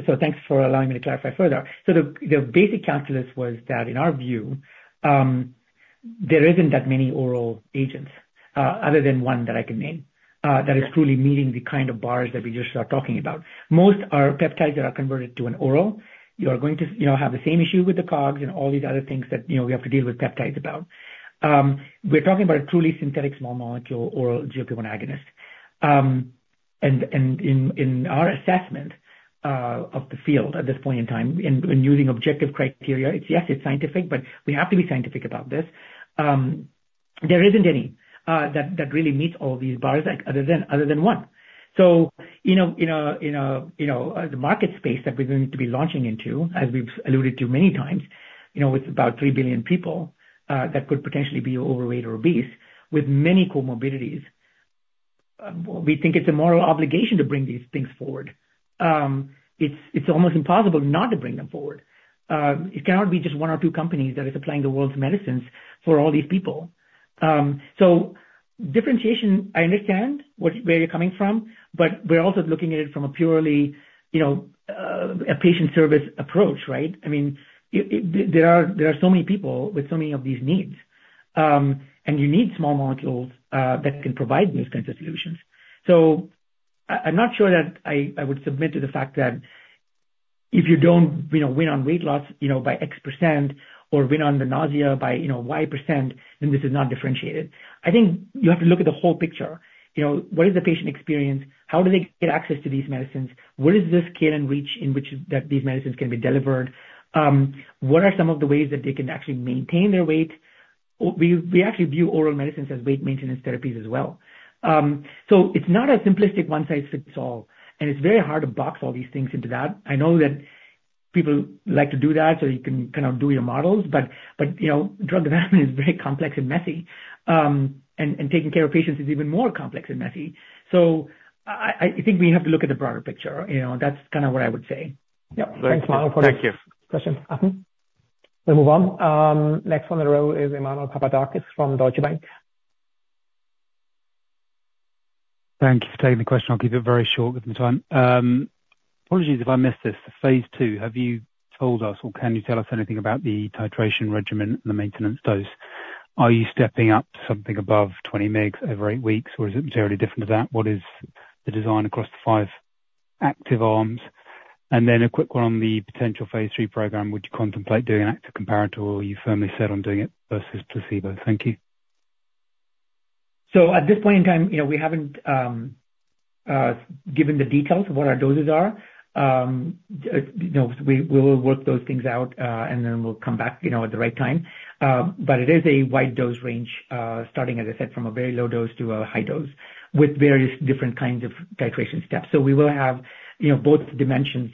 So thanks for allowing me to clarify further. So the basic calculus was that, in our view, there isn't that many oral agents, other than one that I can name, that is truly meeting the kind of bars that we just are talking about. Most are peptides that are converted to an oral. You are going to, you know, have the same issue with the COGS and all these other things that, you know, we have to deal with peptides about. We're talking about a truly synthetic small molecule, oral GLP one agonist. And in our assessment of the field at this point in time, and when using objective criteria, it's yes, it's scientific, but we have to be scientific about this. There isn't any that really meets all these bars, other than one. So, you know, the market space that we're going to be launching into, as we've alluded to many times, you know, with about three billion people that could potentially be overweight or obese with many comorbidities. We think it's a moral obligation to bring these things forward. It's almost impossible not to bring them forward. It cannot be just one or two companies that is supplying the world's medicines for all these people. So differentiation, I understand where you're coming from, but we're also looking at it from a purely, you know, a patient service approach, right? I mean, there are so many people with so many of these needs, and you need small molecules that can provide those kinds of solutions. So I'm not sure that I would submit to the fact that if you don't, you know, win on weight loss, you know, by X% or win on the nausea by, you know, Y%, then this is not differentiated. I think you have to look at the whole picture. You know, what is the patient experience? How do they get access to these medicines? What is the scale and reach in which these medicines can be delivered? What are some of the ways that they can actually maintain their weight? We actually view oral medicines as weight maintenance therapies as well. So it's not a simplistic one-size-fits-all, and it's very hard to box all these things into that. I know that people like to do that, so you can kind of do your models. But you know, drug development is very complex and messy, and taking care of patients is even more complex and messy. So I think we have to look at the broader picture, you know. That's kind of what I would say. Yeah, thanks a lot for the question. Thank you. We'll move on. Next on the row is Emmanuel Papadakis from Deutsche Bank. Thank you for taking the question. I'll keep it very short with the time. Apologies if I missed this. Phase 2, have you told us or can you tell us anything about the titration regimen and the maintenance dose? Are you stepping up to something above 20 mg over eight weeks, or is it materially different to that? What is the design across the five active arms? And then a quick one on the potential phase 3 program. Would you contemplate doing an active comparator, or are you firmly set on doing it versus placebo? Thank you. So at this point in time, you know, we haven't given the details of what our doses are. You know, we will work those things out, and then we'll come back, you know, at the right time. But it is a wide dose range, starting, as I said, from a very low dose to a high dose, with various different kinds of titration steps. So we will have, you know, both dimensions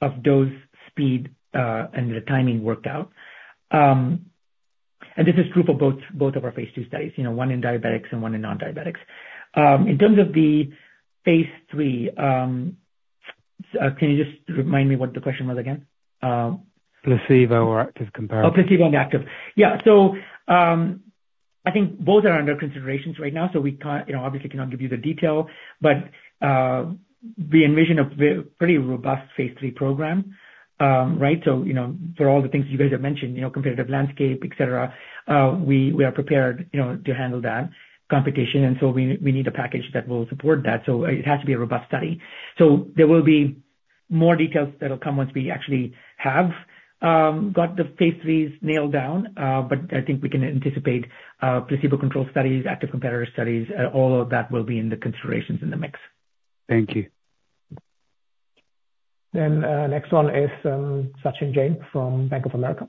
of dose, speed, and the timing worked out. And this is true for both of our phase two studies, you know, one in diabetics and one in non-diabetics. In terms of the phase three, can you just remind me what the question was again? Placebo or active comparator. Oh, placebo and active. Yeah. So, I think both are under considerations right now, so we can't, you know, obviously cannot give you the detail. But, we envision a very robust phase three program. Right? So, you know, for all the things you guys have mentioned, you know, competitive landscape, et cetera, we are prepared, you know, to handle that competition, and so we need a package that will support that. So it has to be a robust study. So there will be more details that'll come once we actually have got the phase threes nailed down. But I think we can anticipate, placebo-controlled studies, active comparator studies, all of that will be in the considerations in the mix. Thank you. Then, next one is, Sachin Jain from Bank of America.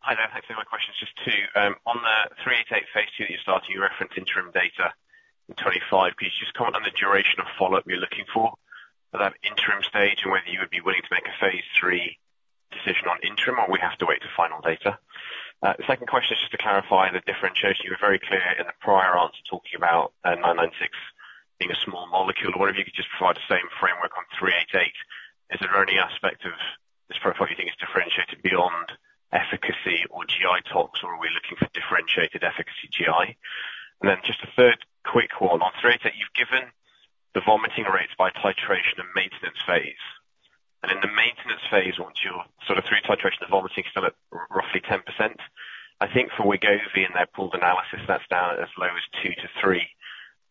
Hi there. My question is just two. On the CT-388 phase 2 that you're starting, you referenced interim data in 2025. Can you just comment on the duration of follow-up you're looking for that interim stage? And whether you would be willing to make a phase 3 decision on interim, or we have to wait for final data. The second question is just to clarify the differentiator. You were very clear in the prior answer, talking about CT-996 being a small molecule. I wonder if you could just provide the same framework on CT-388. Is there any aspect of this profile you think is differentiated beyond efficacy or GI tols, or are we looking for differentiated efficacy, GI? And then just a third quick one. On CT-388, you've given the vomiting rates by titration and maintenance phase. In the maintenance phase, once you're sort of through titration, the vomiting is still at roughly 10%. I think for Wegovy and their pooled analysis, that's down as low as 2% to 3%.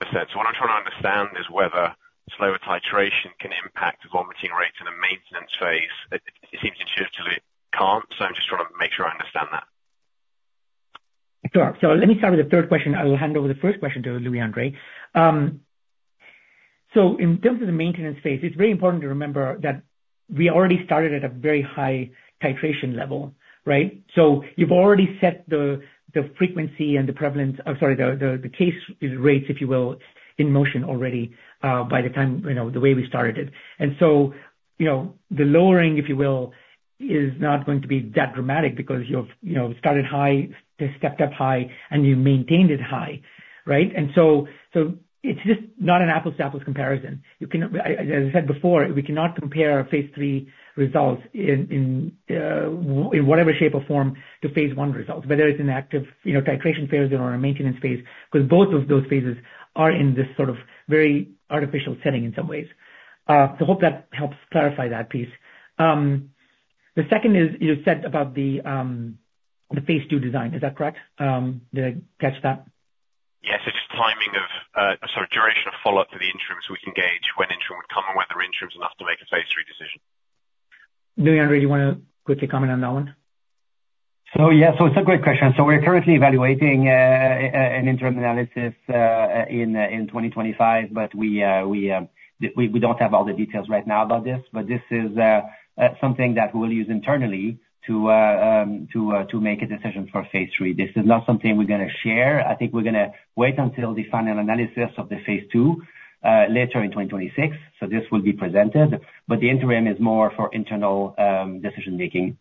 So what I'm trying to understand is whether slower titration can impact the vomiting rates in a maintenance phase. It seems intuitively it can't, so I'm just trying to make sure I understand that. Sure. So let me start with the third question. I will hand over the first question to Louis-André. So in terms of the maintenance phase, it's very important to remember that we already started at a very high titration level, right? So you've already set the frequency and the prevalence... I'm sorry, the case rates, if you will, in motion already by the time, you know, the way we started it. And so, you know, the lowering, if you will, is not going to be that dramatic because you've, you know, started high, they stepped up high, and you maintained it high, right? And so it's just not an apples-to-apples comparison. You can, as I said before, we cannot compare our phase three results in whatever shape or form to phase one results, whether it's an active, you know, titration phase or a maintenance phase, because both of those phases are in this sort of very artificial setting in some ways. So hope that helps clarify that piece. The second is, you said about the phase two design, is that correct? Did I catch that? Yes, it's just duration of follow-up for the interim, so we can gauge-... Louis-André, do you want to quickly comment on that one? So yeah, so it's a great question. So we're currently evaluating an interim analysis in twenty twenty-five, but we don't have all the details right now about this. But this is something that we'll use internally to make a decision for phase three. This is not something we're gonna share. I think we're gonna wait until the final analysis of the phase two later in twenty twenty-six. So this will be presented, but the interim is more for internal decision making.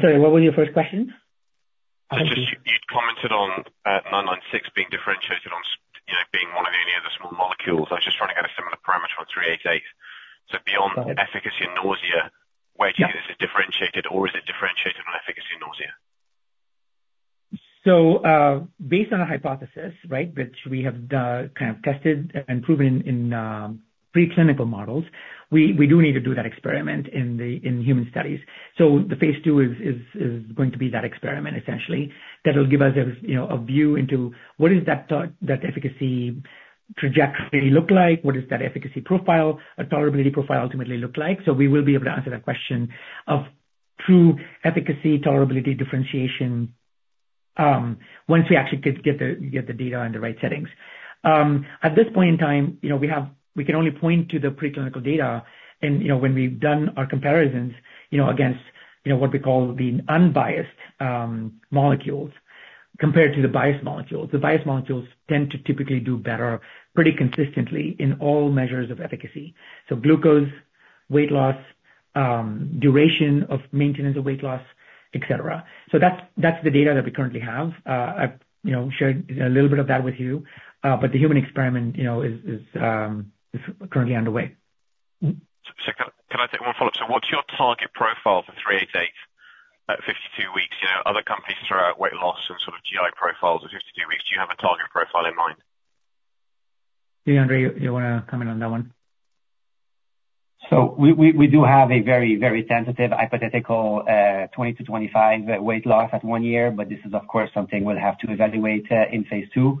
Sorry, what was your first question? Just you'd commented on nine nine six being differentiated on, you know, being one of the only other small molecules. I was just trying to get a similar parameter on 388. So beyond- Right. Efficacy and nausea, where do you think this is differentiated or is it differentiated on efficacy and nausea? So, based on a hypothesis, right, which we have kind of tested and proven in preclinical models, we do need to do that experiment in human studies. The phase two is going to be that experiment, essentially. That will give us you know, a view into what is that thought, that efficacy trajectory look like? What is that efficacy profile, a tolerability profile ultimately look like? We will be able to answer that question of true efficacy, tolerability, differentiation once we actually get the data in the right settings. At this point in time, you know, we can only point to the preclinical data and, you know, when we've done our comparisons, you know, against what we call the unbiased molecules, compared to the biased molecules. The biased molecules tend to typically do better pretty consistently in all measures of efficacy. So glucose, weight loss, duration of maintenance of weight loss, et cetera. So that's the data that we currently have. I you know shared a little bit of that with you, but the human experiment, you know, is currently underway. Can I take one follow-up? What's your target profile for CT-388 at 52 weeks? You know, other companies throw out weight loss and sort of GI profiles at 52 weeks. Do you have a target profile in mind? Louis-André, you wanna comment on that one? So we do have a very, very tentative, hypothetical, twenty to twenty-five weight loss at one year. But this is, of course, something we'll have to evaluate in phase two,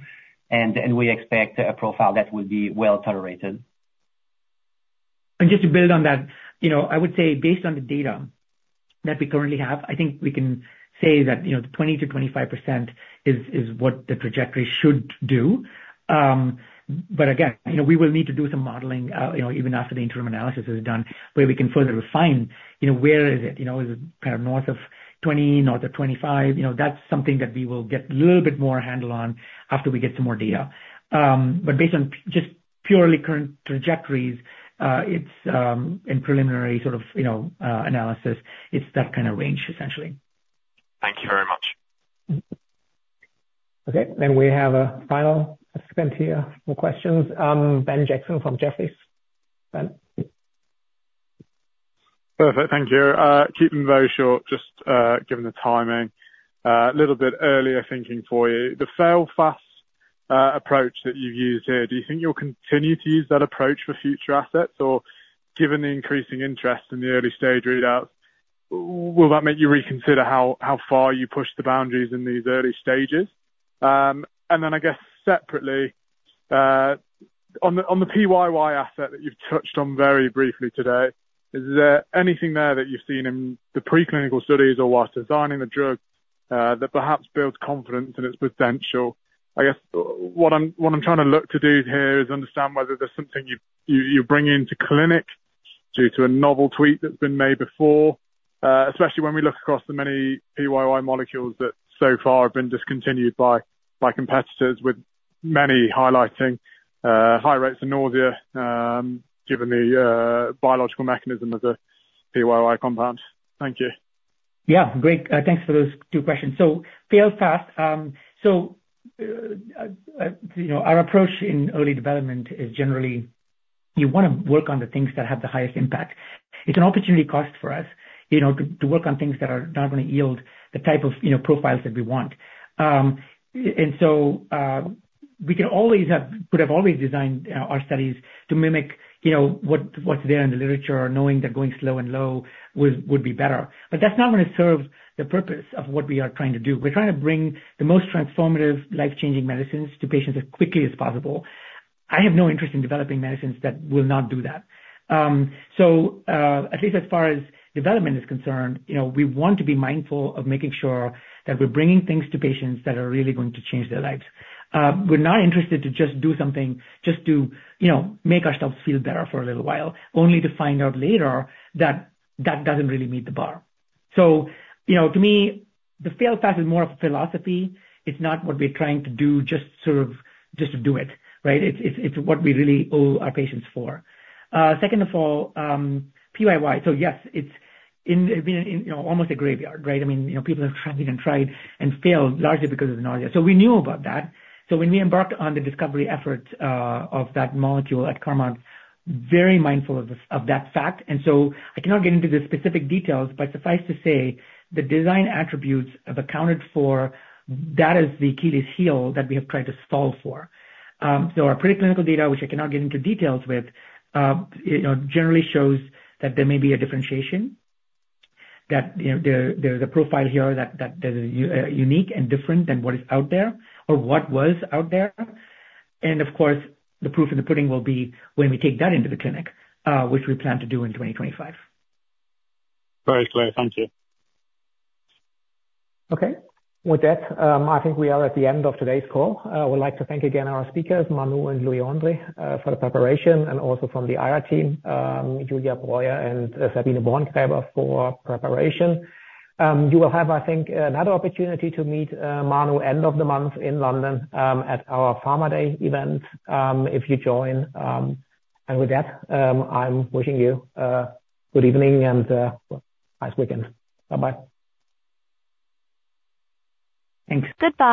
and we expect a profile that will be well tolerated. Just to build on that, you know, I would say based on the data that we currently have, I think we can say that, you know, 20%-25% is what the trajectory should do. But again, you know, we will need to do some modeling, you know, even after the interim analysis is done, where we can further refine, you know, where is it? You know, is it kind of north of 20, north of 25? You know, that's something that we will get little bit more handle on after we get some more data. But based on just purely current trajectories, it's in preliminary sort of, you know, analysis, it's that kind of range, essentially. Thank you very much. Okay. Then we have a final participant here for questions, Ben Jackson from Jefferies. Ben? Perfect. Thank you. Keep them very short, just given the timing. A little bit earlier, thinking for you, the fail fast approach that you've used here, do you think you'll continue to use that approach for future assets? Or given the increasing interest in the early stage readouts, will that make you reconsider how far you push the boundaries in these early stages? And then, I guess separately, on the PYY asset that you've touched on very briefly today, is there anything there that you've seen in the preclinical studies or while designing the drug, that perhaps builds confidence in its potential? I guess what I'm trying to look to do here is understand whether there's something you're bringing to clinic due to a novel tweak that's been made before, especially when we look across the many PYY molecules that so far have been discontinued by competitors, with many highlighting high rates of nausea, given the biological mechanism of the PYY compound. Thank you. Yeah, great. Thanks for those two questions. So fail fast. So, you know, our approach in early development is generally, you wanna work on the things that have the highest impact. It's an opportunity cost for us, you know, to work on things that are not gonna yield the type of, you know, profiles that we want. And so, we could have always designed our studies to mimic, you know, what's there in the literature, or knowing that going slow and low would be better. But that's not gonna serve the purpose of what we are trying to do. We're trying to bring the most transformative, life-changing medicines to patients as quickly as possible. I have no interest in developing medicines that will not do that. So, at least as far as development is concerned, you know, we want to be mindful of making sure that we're bringing things to patients that are really going to change their lives. We're not interested to just do something, just to, you know, make ourselves feel better for a little while, only to find out later that that doesn't really meet the bar. So, you know, to me, the fail fast is more of a philosophy. It's not what we're trying to do, just sort of just to do it, right? It's what we really owe our patients for. Second of all, PYY. So yes, it's been in, you know, almost a graveyard, right? I mean, you know, people have tried and tried and failed, largely because of the nausea. So we knew about that. So when we embarked on the discovery effort of that molecule at Carmot, very mindful of that fact, and so I cannot get into the specific details, but suffice to say, the design attributes have accounted for, that is the Achilles heel that we have tried to solve for. So our preclinical data, which I cannot get into details with, you know, generally shows that there may be a differentiation. That, you know, there's a profile here that is unique and different than what is out there or what was out there. And of course, the proof of the pudding will be when we take that into the clinic, which we plan to do in twenty twenty-five. Very clear. Thank you. Okay. With that, I think we are at the end of today's call. I would like to thank again our speakers, Manu and Louis-André, for the preparation, and also from the IR team, Julia Breuer and Sabine Borngräber for preparation. You will have, I think, another opportunity to meet, Manu, end of the month in London, at our Pharma Day event, if you join. And with that, I'm wishing you, good evening and, nice weekend. Bye-bye. Thanks. Goodbye.